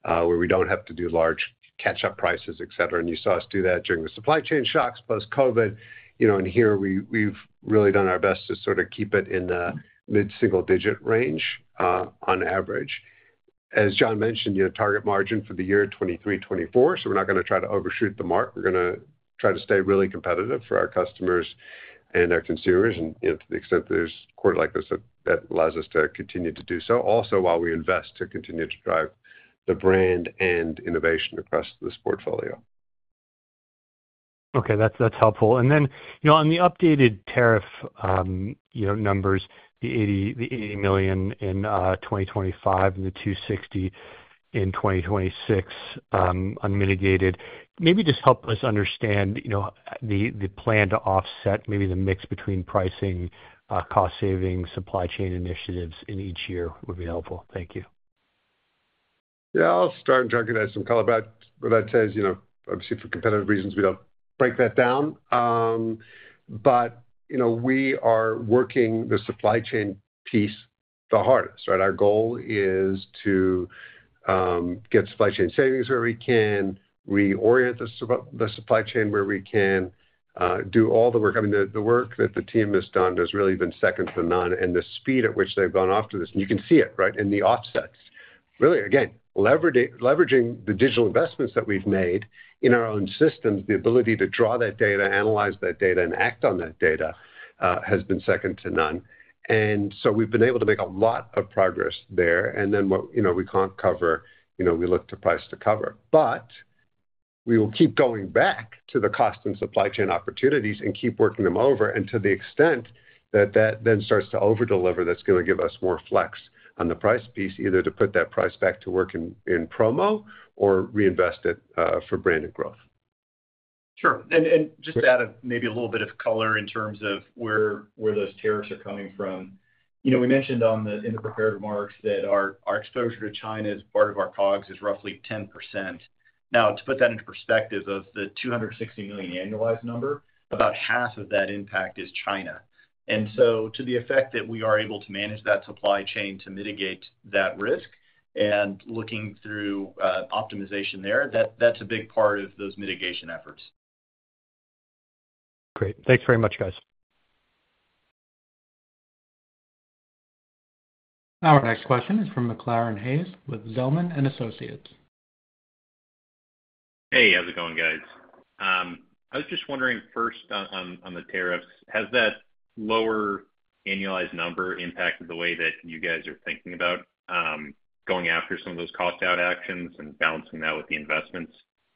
where we don't have to do large catch up prices, etc. You saw us do that during the supply chain shocks post COVID, and here we've really done our best to sort of keep it in the mid single digit range on average as Jon mentioned, target margin for the year 2023-2024. We're not going to try to overshoot the mark. We're going to try to stay really competitive for our customers and our consumers. To the extent there's quote like this that allows us to continue to do so also while we invest to continue to drive the brand and innovation across this portfolio. Okay, that's helpful. On the updated tariff numbers, the $80 million in 2025 and the. $260 million in 2026 unmitigated maybe just help us understand the plan to offset maybe the mix between pricing, cost savings, supply chain initiatives in each year would be helpful. Thank you. Yeah, I'll start and try to get some color. That says obviously for competitive reasons we don't break that down, but we are working the supply chain piece the hardest. Our goal is to get supply chain savings where we can, reorient the supply chain where we can, do all the work. I mean, the work that the team has done has really been second to none. The speed at which they've gone after this, and you can see it right in the offsets, really again leveraging the digital investments that we've made in our own systems, the ability to draw that data, analyze that data, and act on that data has been second to none. We've been able to make a lot of progress there. We look to price to cover, but we will keep going back to the cost and supply chain opportunities and keep working them over. To the extent that that then starts to over deliver, that's going to give us more flex on the price piece, either to put that price back to work in promo or reinvest it for branded growth. Sure. Just add maybe a little bit. Of color in terms of where those tariffs are coming from. We mentioned in the prepared remarks that our exposure to China as part of our COGS is roughly 10%. Now, to put that into perspective, of the $260 million annualized number, about half of that impact is China. To the effect that we are able to manage that supply chain to mitigate that risk and looking through optimization there, that's a big part of those mitigation efforts. Great, thanks very much, guys. Our next question is from McCLaran Hayes with Zelman & Associates. Hey, how's it going guys? I was just wondering first on the tariffs, has that lower annualized number impacted the way that you guys are thinking about going after some of those cost out actions and balancing that with the investments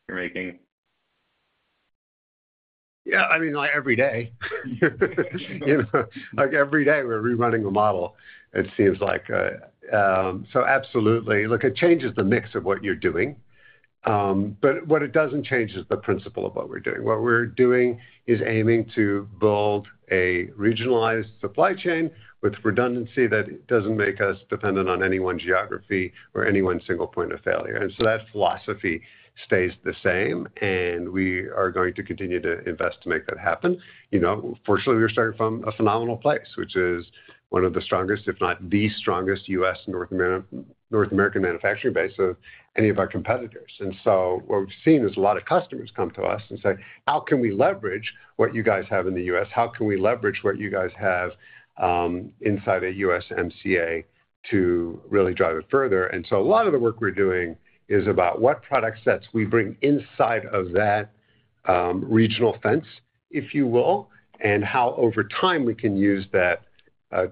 you're making? Yeah, I mean every day, like every day we're rerunning the model, it seems like. Absolutely. Look, it changes the mix of what you're doing, but what it doesn't change is the principle of what we're doing. What we're doing is aiming to build a regionalized supply chain with redundancy that doesn't make us dependent on any one geography or any one single point of failure. That philosophy stays the same and we are going to continue to invest to make that happen. Fortunately, we are starting from a phenomenal place, which is one of the strongest, if not the strongest, U.S. North American manufacturing base of any of our competitors. What we've seen is a lot of customers come to us and say, how can we leverage what you guys have in the U.S.? How can we leverage what you guys have inside a USMCA to really drive it further? A lot of the work we're doing is about what product sets we bring inside of that regional fence, if you will, and how over time we can use that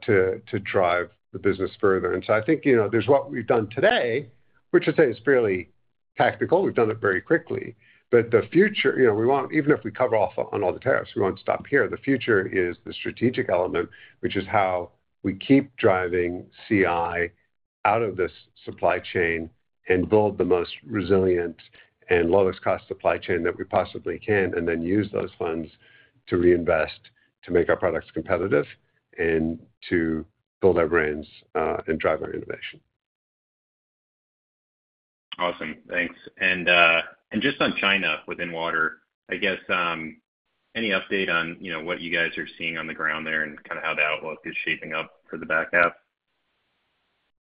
to drive the business further. I think there's what we've done today, which I'd say is fairly tactical. We've done it very quickly. The future, even if we cover off on all the tariffs, we won't stop here. The future is the strategic element, which is how we keep driving CI out of this supply chain and build the most resilient and lowest cost supply chain that we possibly can and then use those funds to reinvest to make our products competitive and to build our brands and drive our innovation. Awesome, thanks. On China within water, I guess, any update on what you guys are seeing on the ground there? Kind of how the outlook is shaping up the back half?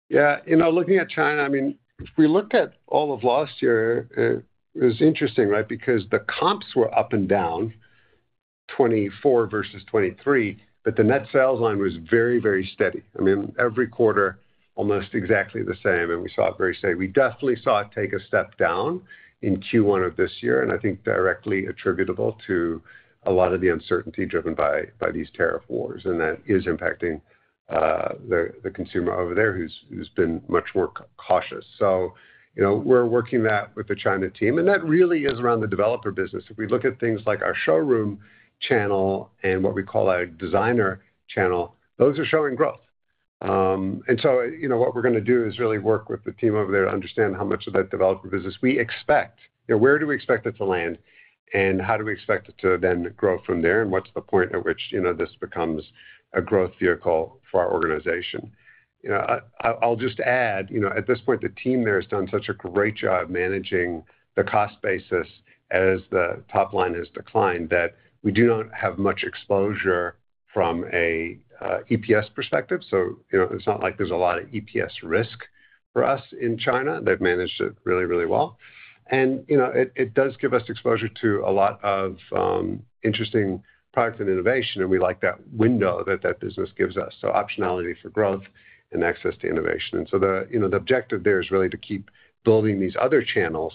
Yeah, looking at China, if we looked at all of last year, it was interesting because the comps were up and down 2024 versus 2023, but the net sales line was very, very steady. I mean every quarter almost exactly the same and we saw it very steady. We definitely saw it take a step down in Q1 of this year. I think directly attributable to a lot of the uncertainty driven by these tariff wars and that is impacting the consumer over there who's been much more cautious. We are working that with the China team and that really is around the developer business. If we look at things like our showroom channel and what we call our designer channel, those are showing growth. What we are going to do is really work with the team over there to understand how much of that developer business we expect, where do we expect it to land and how do we expect it to then grow from there and what's the point at which this becomes a growth vehicle for our organization? I'll just add at this point the team there has done such a great job managing the cost basis as the top line has declined that we do not have much exposure from an EPS perspective. It's not like there's a lot of EPS risk for us in China. They've managed it really, really well and it does give us exposure to a lot of interesting product and innovation and we like that window that that business gives us, so optionality for growth and access to innovation. The objective there is really to keep building these other channels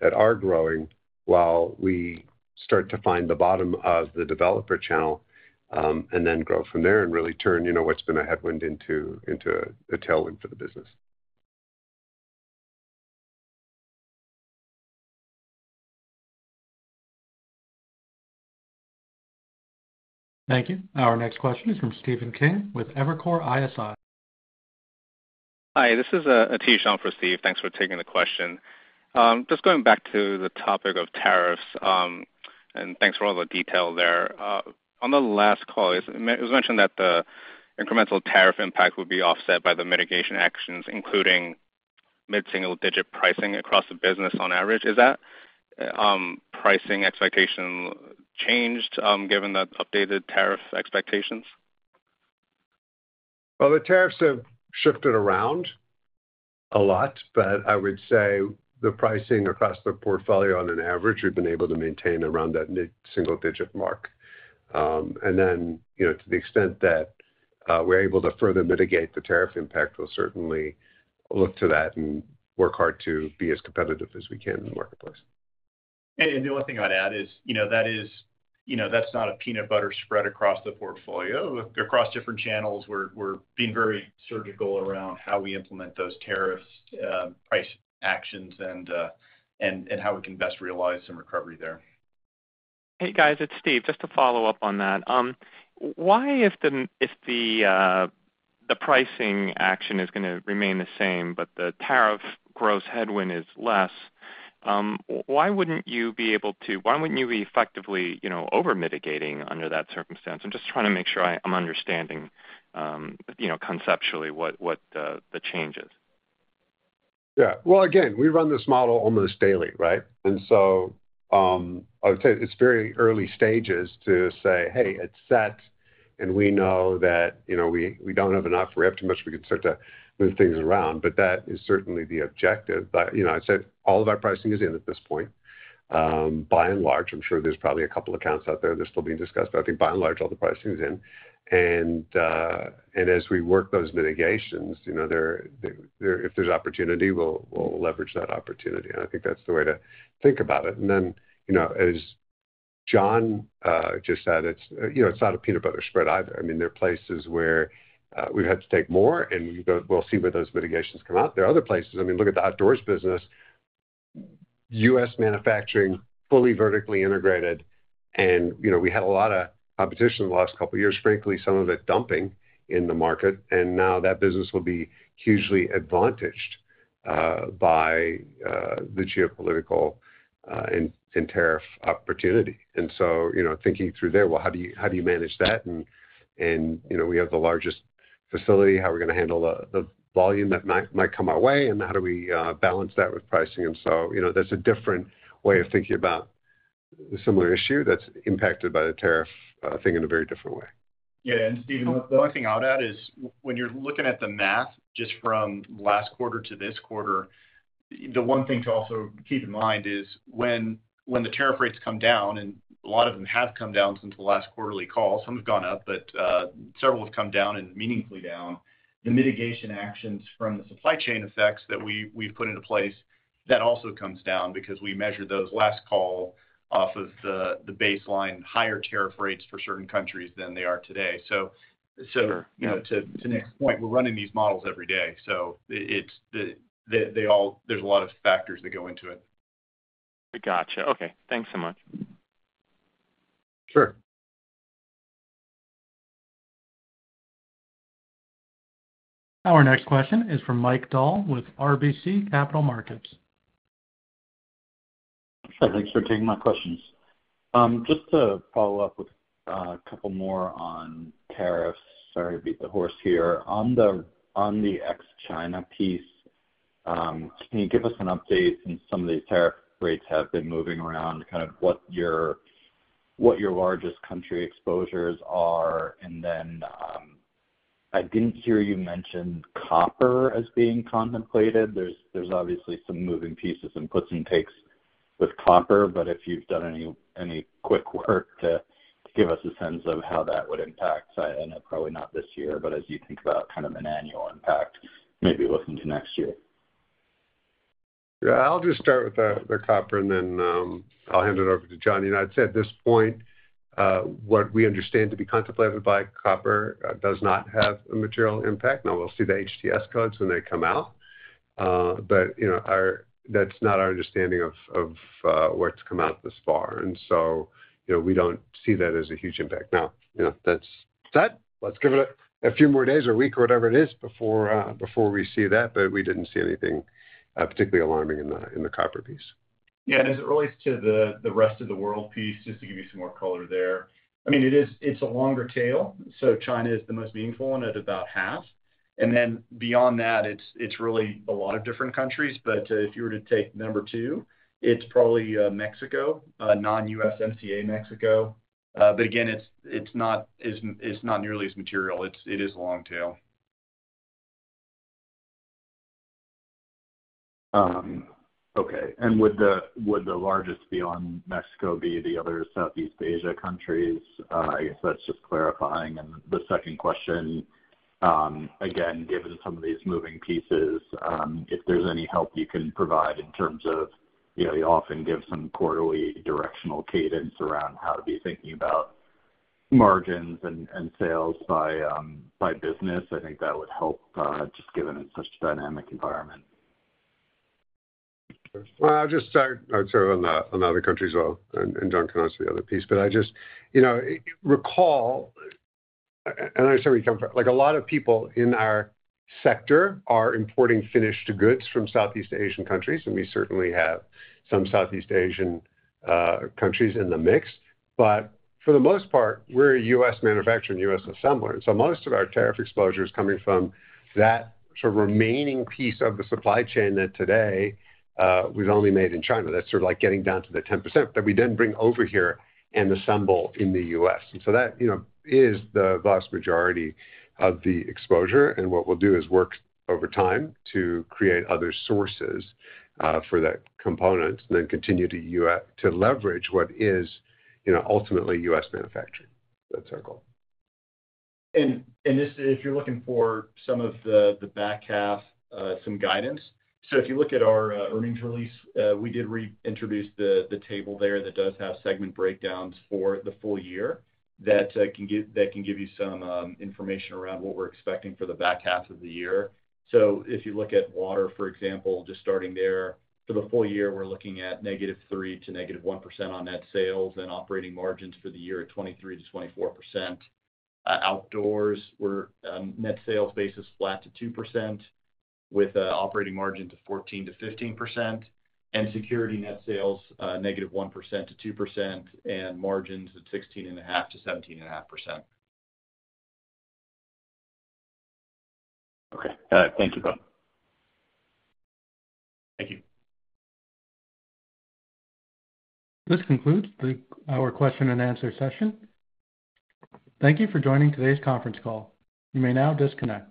that are growing while we start to find the bottom of the developer channel and then grow from there and really turn what's been a headwind into a tailwind for the business. Thank you. Our next question is from Stephen Kim with Evercore ISI. Hi, this is Aatish Shah for Steve. Thanks for taking the question. Just going back to the topic of tariffs, and thanks for all the detail there. On the last call, it was mentioned that the incremental tariff impact would be. Offset by the mitigation actions, including mid. Single digit pricing across the business on average. Has that pricing expectation changed given that updated tariff expectations? The tariffs have shifted around a lot, but I would say the pricing across the portfolio on average we've been able to maintain around that mid single digit mark. To the extent that we're able to further mitigate the tariff impact, we'll certainly look to that and work hard to be as competitive as we can in the marketplace. The only thing I'd add is that's not a peanut butter spread across the portfolio across different channels. We're being very surgical around how we implement those tariffs price actions and how we can best realize some recovery there. Hey guys, it's Steve. Just to follow up on that, if the pricing action is going to remain the same but the tariff gross headwind is less, why wouldn't you be effectively over mitigating under that circumstance? I'm just trying to make sure I'm understanding conceptually what the change is. Yeah, again, we run this model almost daily. Right. I would say it's very early stages to say, hey, it's set and we know that we don't have enough, we have too much, we can start to move things around. That is certainly the objective. I said all of our pricing is in at this point, by and large. I'm sure there's probably a couple accounts out there that are still being discussed. I think by and large all the pricing is in. As we work those mitigations, if there's opportunity, we'll leverage that opportunity. I think that's the way to think about it. As Jon just said, it's not a peanut butter spread either. There are places where we've had to take more and we'll see where those mitigations come out. There are other places. Look at the Outdoors business, U.S. manufacturing, fully vertically integrated. We had a lot of competition in the last couple of years, frankly, some of it dumping in the market. Now that business will be hugely advantaged by the geopolitical and tariff opportunity. Thinking through there, how do you manage that? We have the largest facility. How are we going to handle the volume that might come our way and how do we balance that with pricing? That's a different way of thinking about the similar issue that's impacted by the tariff thing in a very different way. Yeah. Steve, the one thing I would add is when you're looking at the math just from last quarter to this quarter, the one thing to also keep in mind is when the tariff rates come down. A lot of them have come down since the last quarterly call. Some have gone up, but several have come down and meaningfully down. The mitigation actions from the supply chain effects that we've put into place also come down because we measured those last call off of the baseline higher tariff rates for certain countries than they are today. To Nick's point, we're running these models every day, so there's a lot of factors that go into it. Gotcha. Okay, thanks so much. Sure. Our next question is from Mike Dahl with RBC Capital Markets. Thanks for taking my questions. Just to follow up with a couple more on tariffs. Sorry to beat the horse here on the ex China piece. Can you give us an update? Some of these tariff rates have been moving around, kind of what your largest country exposures are. I didn't hear you mention copper as being contemplated. There's obviously some moving pieces and puts and takes with copper, but if you've done any quick work to give us a sense of how that would impact, probably not this year, but as you think about kind of an annual impact, maybe look into next year. Yeah, I'll just start with the copper and then I'll hand it over to Jon. I'd say at this point, what we understand to be contemplated by copper does not have a material impact. We'll see the HTS codes when they come out, but that's not our understanding of what's come out this far. We don't see that as a huge impact now. Let's give it a few more days or a week or whatever it is before we see that. We didn't see anything particularly alarming in the copper piece. Yeah. As it relates to the rest of the world piece, just to give you some more color there, it's a longer tail. China is the most meaningful one at about half. Beyond that, it's really a lot of different countries. If you were to take number two, it's probably Mexico, non-USMCA Mexico. Again, it's not nearly as material. It is a long tail. Okay. Would the largest beyond Mexico be the other Southeast Asia countries? I guess that's just clarifying. The second question, again, given some of these moving pieces, if there's any help you can provide in terms of you often give some quarterly directional cadence around how to be thinking about margins and sales by business. I think that would help just given it's such a dynamic environment. I'll just start on the other countries and Jon can answer the other piece. I just recall and I say where you come from, a lot of people in our sector are importing finished goods from Southeast Asian countries. We certainly have some Southeast Asian countries in the mix. For the most part, we're a U.S. manufacturer and U.S. assembler. Most of our tariff exposure is coming from that remaining piece of the supply chain that today was only made in China. That's like getting down to the 10% that we then bring over here and assemble in the U.S., and that is the vast majority of the exposure. What we'll do is work over time to create other sources for that component and then continue to leverage what is ultimately U.S. manufacturing. That's our goal. If you're looking for some of the back half, some guidance, if you look at our earnings release, we did reintroduce the table there that does have segment breakdowns for the full year that can give you some information around what we're expecting for the back half of the year. If you look at Water, for example, just starting there for the full year, we're looking at -3% to -1% on net sales and operating margins for the year at 23% to 24%. Outdoors, we're net sales basis flat to 2% with operating margin to 14% to 15%, and Security, net sales -1% to -2% and margins at 16.5% to 17.5%. Thank you both. Thank you. This concludes our question and answer session. Thank you for joining today's conference call. You may now disconnect.